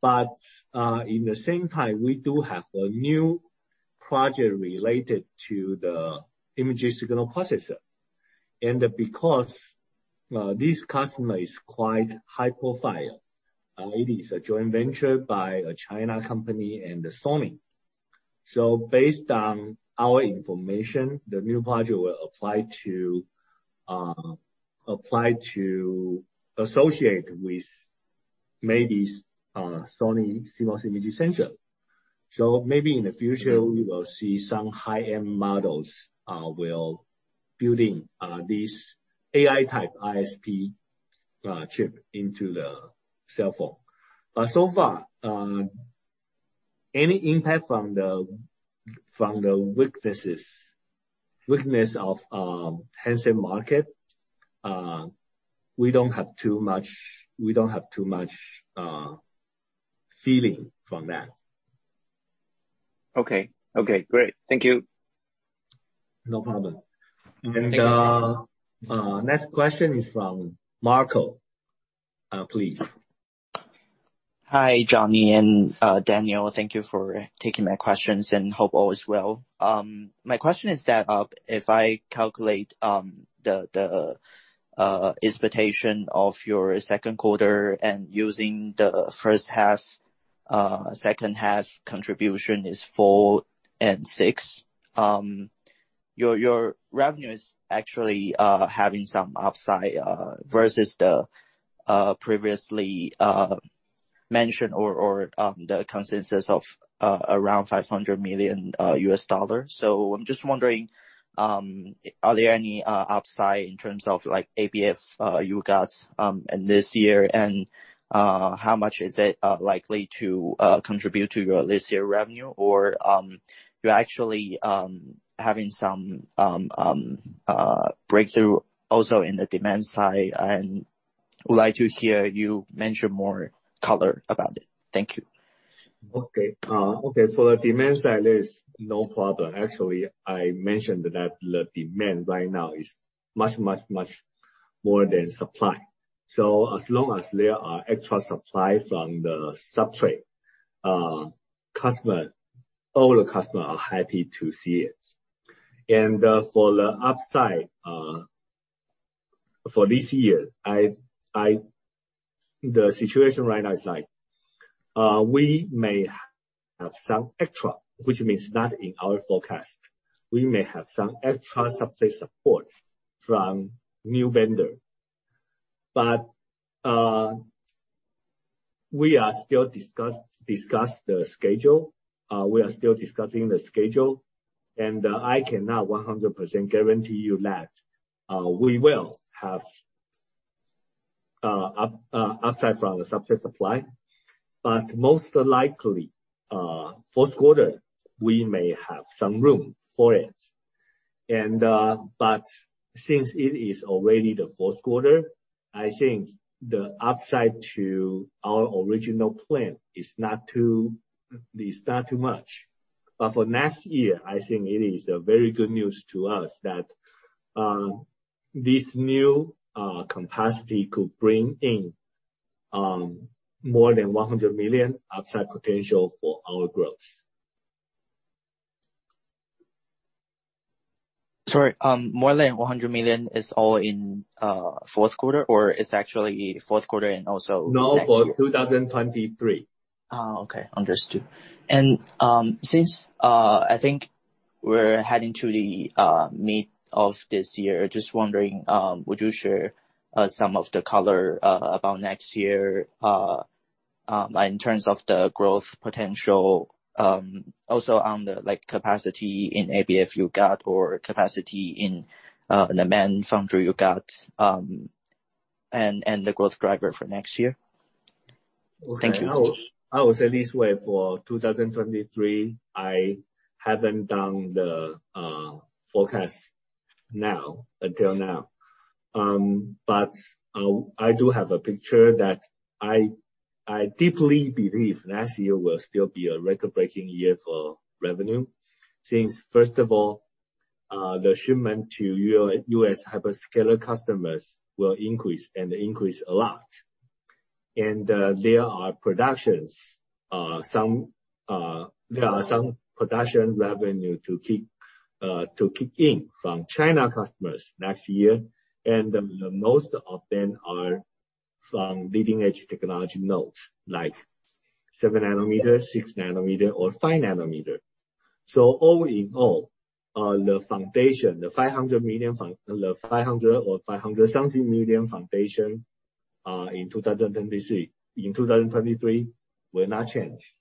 In the same time, we do have a new project related to the image signal processor. Because this customer is quite high profile, it is a joint venture by a China company and Sony. Based on our information, the new project will apply to associate with maybe Sony CMOS image sensor. Maybe in the future we will see some high-end models building this AI type ISP chip into the cell phone. So far, any impact from the weakness of the handset market, we don't have too much feeling from that. Okay. Okay, great. Thank you. No problem. Next question is from Marco. Please. Hi, Johnny and Daniel. Thank you for taking my questions, and hope all is well. My question is that if I calculate the expectation of your second quarter and using the first half second half contribution is four and six, your revenue is actually having some upside versus the previously mentioned or the consensus of around $500 million. I'm just wondering, are there any upside in terms of like ABF you got in this year? How much is it likely to contribute to your this year revenue? You're actually having some breakthrough also in the demand side and would like to hear you mention more color about it. Thank you. Okay. For the demand side, there is no problem. Actually, I mentioned that the demand right now is much more than supply. As long as there are extra supply from the substrate customer, all the customers are happy to see it. For the upside for this year, the situation right now is like we may have some extra, which means not in our forecast. We may have some extra substrate support from new vendor. We are still discussing the schedule, and I cannot 100% guarantee you that we will have upside from the substrate supply. Most likely, fourth quarter, we may have some room for it. Since it is already the fourth quarter, I think the upside to our original plan is not too much. For next year, I think it is very good news to us that this new capacity could bring in more than 100 million upside potential for our growth. Sorry, more than 100 million is all in fourth quarter, or it's actually fourth quarter and also next year? No, for 2023. Oh, okay. Understood. Since I think we're heading to the mid of this year, just wondering would you share some of the color about next year in terms of the growth potential, also on the, like, capacity in ABF you got, or capacity in the main foundry you got, and the growth driver for next year. Thank you. Okay. I would say this way, for 2023, I haven't done the forecast now, until now. I do have a picture that I deeply believe next year will still be a record-breaking year for revenue. Since first of all, the shipment to US hyperscaler customers will increase, and increase a lot. There are some production revenue to kick in from China customers next year. The most of them are from leading-edge technology nodes, like 7 nanometer, 6 nm or 5 nm All in all, the foundation, the 500 million or 500-something million foundation, in 2023 will not change.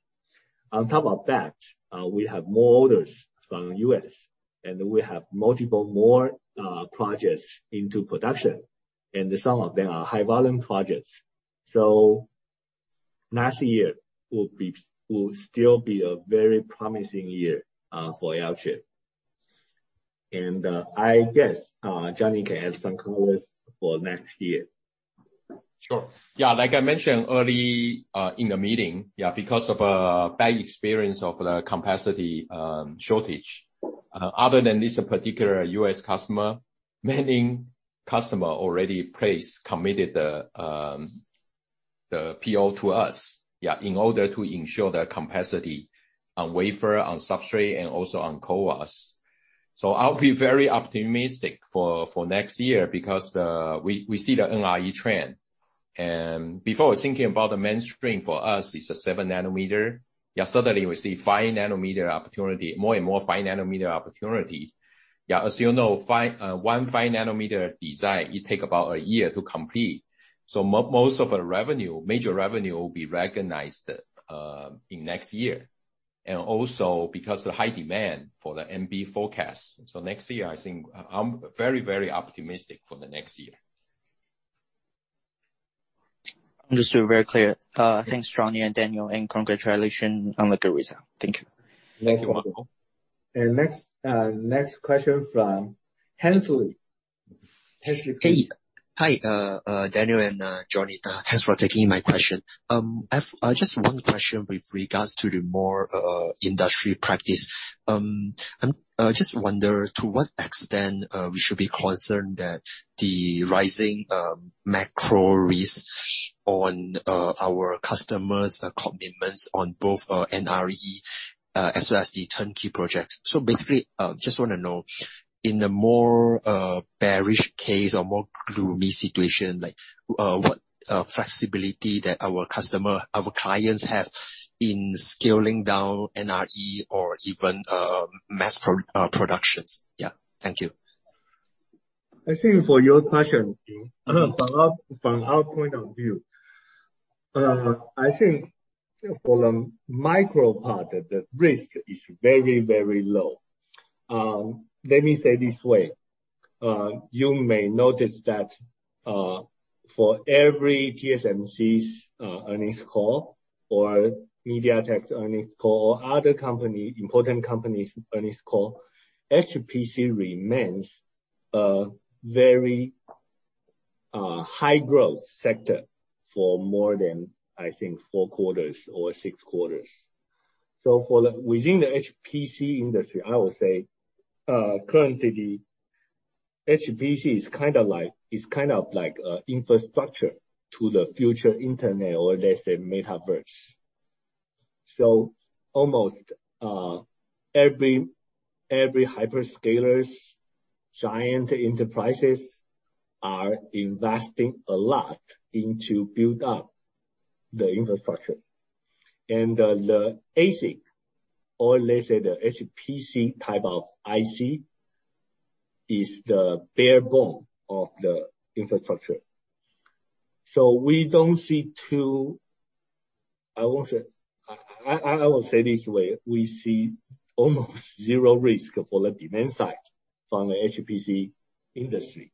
On top of that, we have more orders from U.S., and we have multiple more projects into production, and some of them are high volume projects. Next year will still be a very promising year for Alchip. I guess Johnny can add some colors for next year. Sure. Yeah, like I mentioned earlier in the meeting, yeah, because of a bad experience of the capacity shortage, other than this particular U.S. customer, many customer already placed, committed the PO to us, yeah, in order to ensure the capacity on wafer, on substrate, and also on CoWoS. I'll be very optimistic for next year because we see the NRE trend. Before thinking about the mainstream, for us it's a 7 nm. Yeah, suddenly we see 5 nm opportunity, more and more 5 nm opportunity. Yeah, as you know, a 5 nm design, it take about a year to complete. Most of the revenue, major revenue will be recognized in next year. Also because the high demand for the MP forecast. Next year, I think I'm very optimistic for the next year. Understood. Very clear. Thanks Johnny and Daniel, and congratulations on the good result. Thank you. Thank you. Next question from Hensley. Hensley, please. Hey. Hi, Daniel Wang and Johnny Shen. Thanks for taking my question. I've just one question with regards to the more industry practice. Just wonder, to what extent we should be concerned that the rising macro risk on our customers' commitments on both NRE as well as the turnkey projects. Basically, just wanna know, in the more bearish case or more gloomy situation, like, what flexibility that our customer, our clients have in scaling down NRE or even mass production? Yeah. Thank you. I think for your question, from our point of view, I think for the micro part, the risk is very, very low. Let me say this way, you may notice that, for every TSMC's earnings call or MediaTek's earnings call or other important company's earnings call, HPC remains a very high growth sector for more than, I think, four quarters or six quarters. Within the HPC industry, I would say, currently HPC is kind of like an infrastructure to the future internet or let's say Metaverse. Almost every hyperscalers, giant enterprises are investing a lot into building up the infrastructure. The ASIC, or let's say the HPC type of ICs is the bare bones of the infrastructure. We don't see too I will say it this way, we see almost zero risk for the demand side from the HPC industry.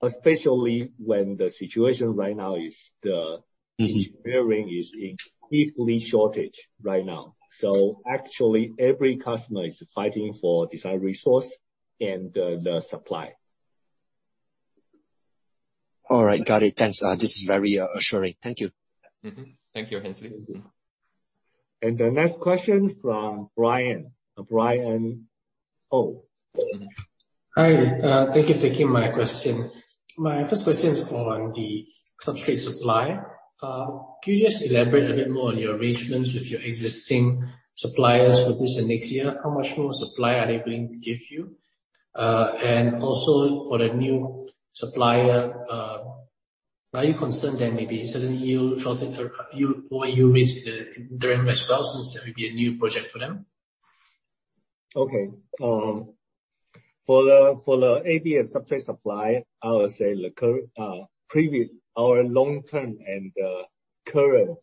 Especially when the situation right now is the Engineering is in critical shortage right now. Actually every customer is fighting for design resource and the supply. All right. Got it. Thanks. This is very assuring. Thank you. Thank you, Hensley. The next question from Brian. Brian Oh. Hi. Thank you for taking my question. My first question is on the substrate supply. Can you just elaborate a bit more on your arrangements with your existing suppliers for this and next year? How much more supply are they going to give you? And also for the new supplier, are you concerned that maybe sudden yield shortage or over yield risk during ramp as well, since that would be a new project for them? Okay. For the ABF substrate supply, I will say the previous, our long-term and current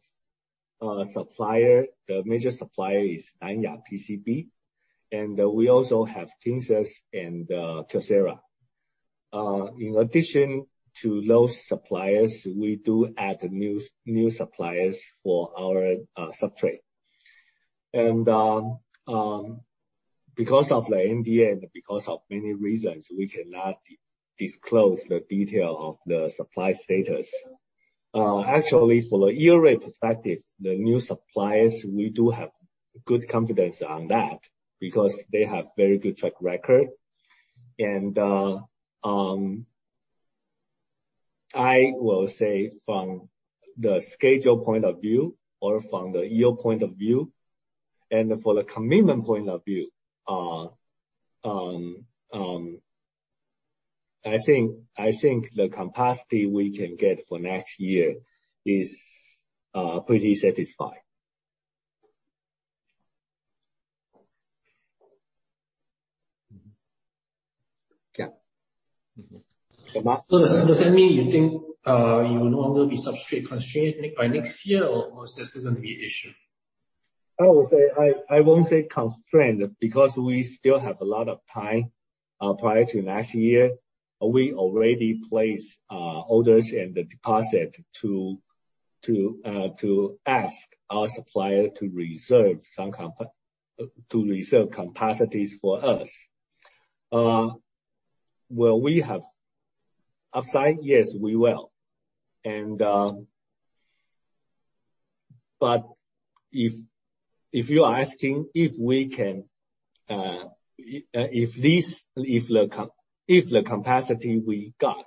supplier, the major supplier is Nan Ya PCB. We also have Kinsus and Kyocera. In addition to those suppliers, we do add new suppliers for our substrate. Because of the NDA and because of many reasons, we cannot disclose the detail of the supply status. Actually, from a year perspective, the new suppliers, we do have good confidence on that because they have very good track record. I will say from the schedule point of view or from the year point of view and for the commitment point of view, I think the capacity we can get for next year is pretty satisfied. Yeah. Okay. Does that mean you think you will no longer be substrate constrained by next year, or was this going to be an issue? I would say I won't say constrained because we still have a lot of time prior to next year. We already placed orders and the deposit to ask our supplier to reserve some capacities for us. Will we have upside? Yes, we will. If you are asking if the capacity we got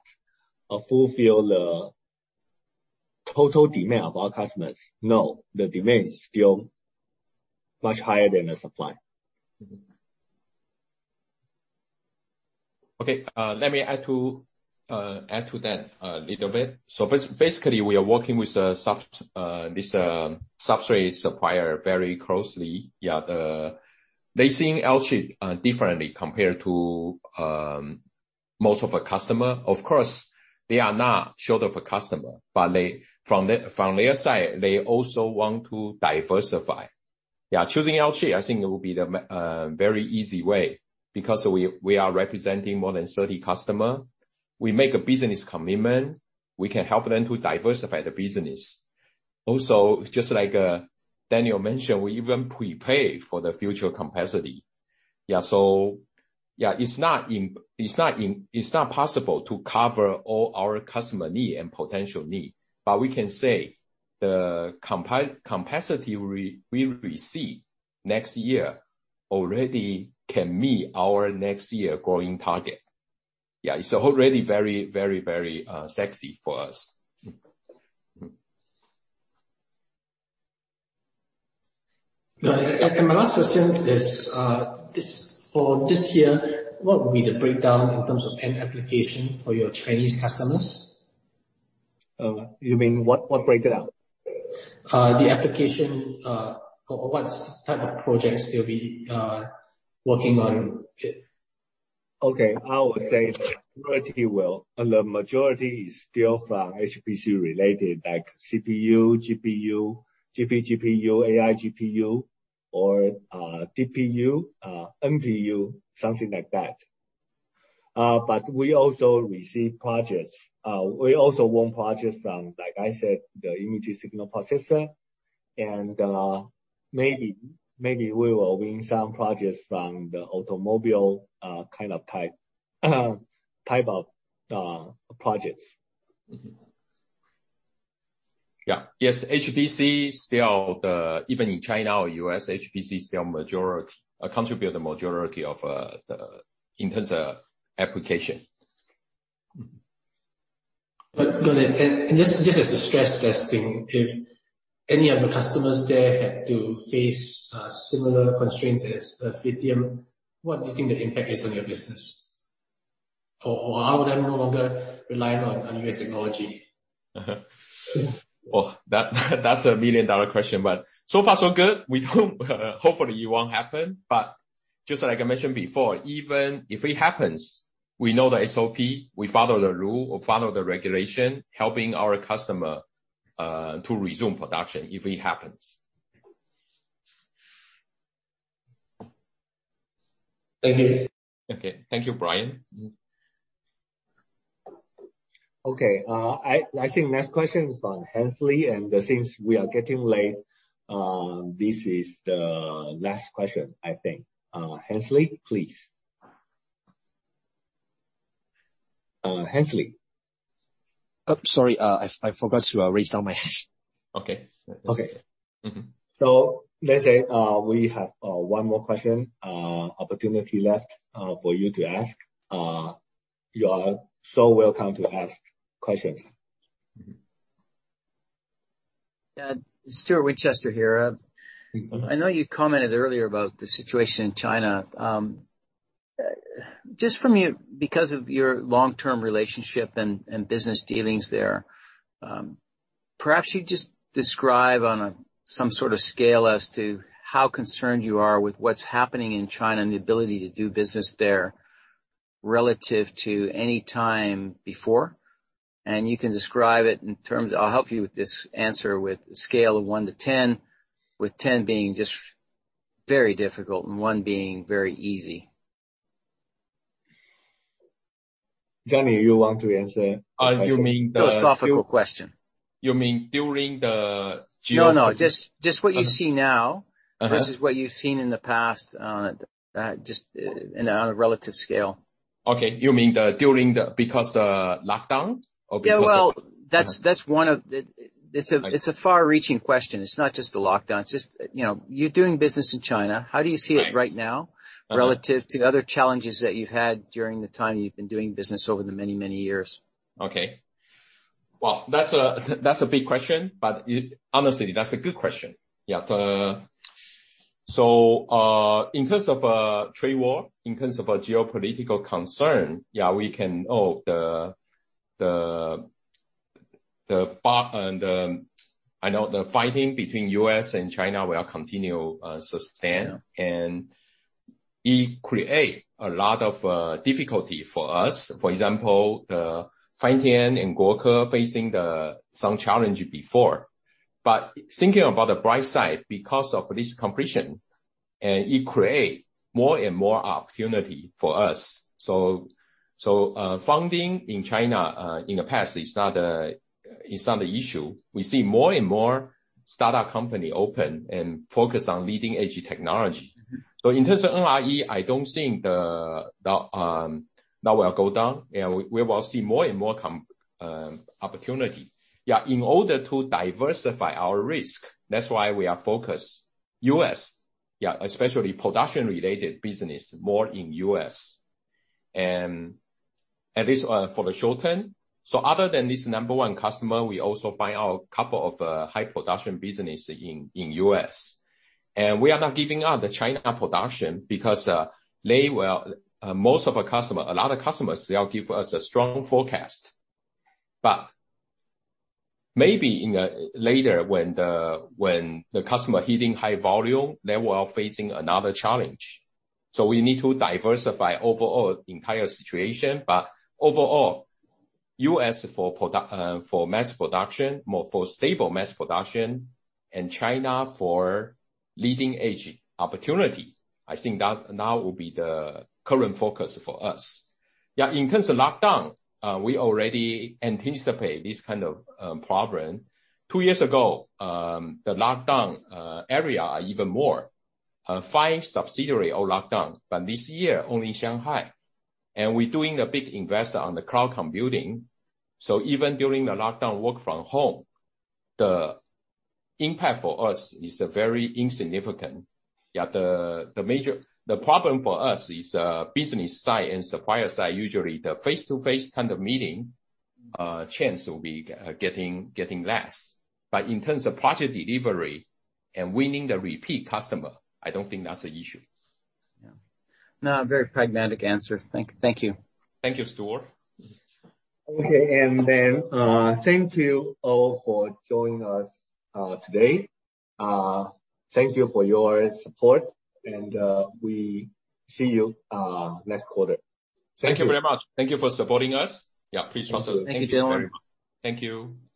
can fulfill the total demand of our customers, no. The demand is still much higher than the supply. Let me add to that a little bit. Basically, we are working with the substrate supplier very closely. They seeing Alchip differently compared to most of our customer. Of course, they are not short of a customer, but from their side, they also want to diversify. Choosing Alchip, I think it will be the very easy way, because we are representing more than 30 customer. We make a business commitment. We can help them to diversify the business. Also, just like Daniel mentioned, we even prepay for the future capacity. It's not possible to cover all our customer need and potential need. We can say the capacity we receive next year already can meet our next year growing target. Yeah. It's already very sexy for us. My last question is for this year, what will be the breakdown in terms of end application for your Chinese customers? You mean what breakdown? The application, or what type of projects they'll be working on. Okay. I would say the majority is still from HPC related, like CPU, GPU, GPGPU, AI GPU, or DPU, MPU, something like that. We also receive projects. We also won projects from, like I said, the image signal processor. Maybe we will win some projects from the automobile kind of type of projects. Yes, HPC still the even in China or U.S., HPC still majority, contribute the majority of the in terms of application. As a stress testing, if any of the customers there had to face similar constraints as Phytium, what do you think the impact is on your business? Are all of them no longer relying on US technology? Well, that's a million-dollar question. So far so good. Hopefully it won't happen, but just like I mentioned before, even if it happens, we know the SOP. We follow the rule or follow the regulation, helping our customer to resume production if it happens. Thank you. Okay. Thank you, Brian. Okay. I think next question is from Hensley, and since we are getting late, this is the last question, I think. Hensley, please. Hensley? Oh, sorry. I forgot to raise my hand. Okay. Okay Let's say we have one more question opportunity left for you to ask. You are so welcome to ask questions. Mm-hmm. Stewart Winchester here. I know you commented earlier about the situation in China. Just from you, because of your long-term relationship and business dealings there, perhaps you just describe on a some sort of scale as to how concerned you are with what's happening in China and the ability to do business there relative to any time before. You can describe it in terms. I'll help you with this answer, with a scale of 1 to 10, with 10 being just very difficult and 1 being very easy. Johny, you want to answer? Uh, you mean the- Philosophical question. You mean during the geo- No. Just what you see now. Uh-huh versus what you've seen in the past, just on a relative scale. Okay. You mean during the lockdown or because of? Yeah, well, that's one of the. It's a far-reaching question. It's not just the lockdown. It's just, you know, you're doing business in China. Right. How do you see it right now? Relative to other challenges that you've had during the time you've been doing business over the many, many years? Okay. Well, that's a big question, but honestly, that's a good question. Yeah. In terms of trade war, in terms of a geopolitical concern, yeah, I know the fighting between U.S. and China will continue, sustain. It create a lot of difficulty for us. For example, Phytium and GoKe facing some challenge before. Thinking about the bright side, because of this competition, it create more and more opportunity for us. Funding in China in the past is not an issue. We see more and more startup company open and focus on leading edge technology. In terms of NRE, I don't think that will go down. Yeah, we will see more and more opportunity. Yeah, in order to diversify our risk, that's why we are focused U.S., yeah, especially production-related business more in U.S. At least, for the short term. Other than this number one customer, we also find out a couple of high production business in U.S. We are not giving up the China production because they were most of our customer, a lot of customers, they all give us a strong forecast. Maybe in the later when the customer hitting high volume, they will facing another challenge. We need to diversify overall entire situation. Overall, U.S. for mass production, more for stable mass production, and China for leading-edge opportunity. I think that now will be the current focus for us. Yeah, in terms of lockdown, we already anticipate this kind of problem. Two years ago, the lockdown area even more. Five subsidiary all lockdown. This year, only Shanghai. We're doing a big investment on the cloud computing. Even during the lockdown work from home, the impact for us is very insignificant. The problem for us is, business side and supplier side, usually the face-to-face kind of meeting, chance will be getting less. In terms of project delivery and winning the repeat customer, I don't think that's an issue. Yeah. No, a very pragmatic answer. Thank you. Thank you, Stewart. Okay. Thank you all for joining us today. Thank you for your support. We see you next quarter. Thank you very much. Thank you for supporting us. Yeah, please trust us. Thank you, gentlemen. Thank you. Thank you.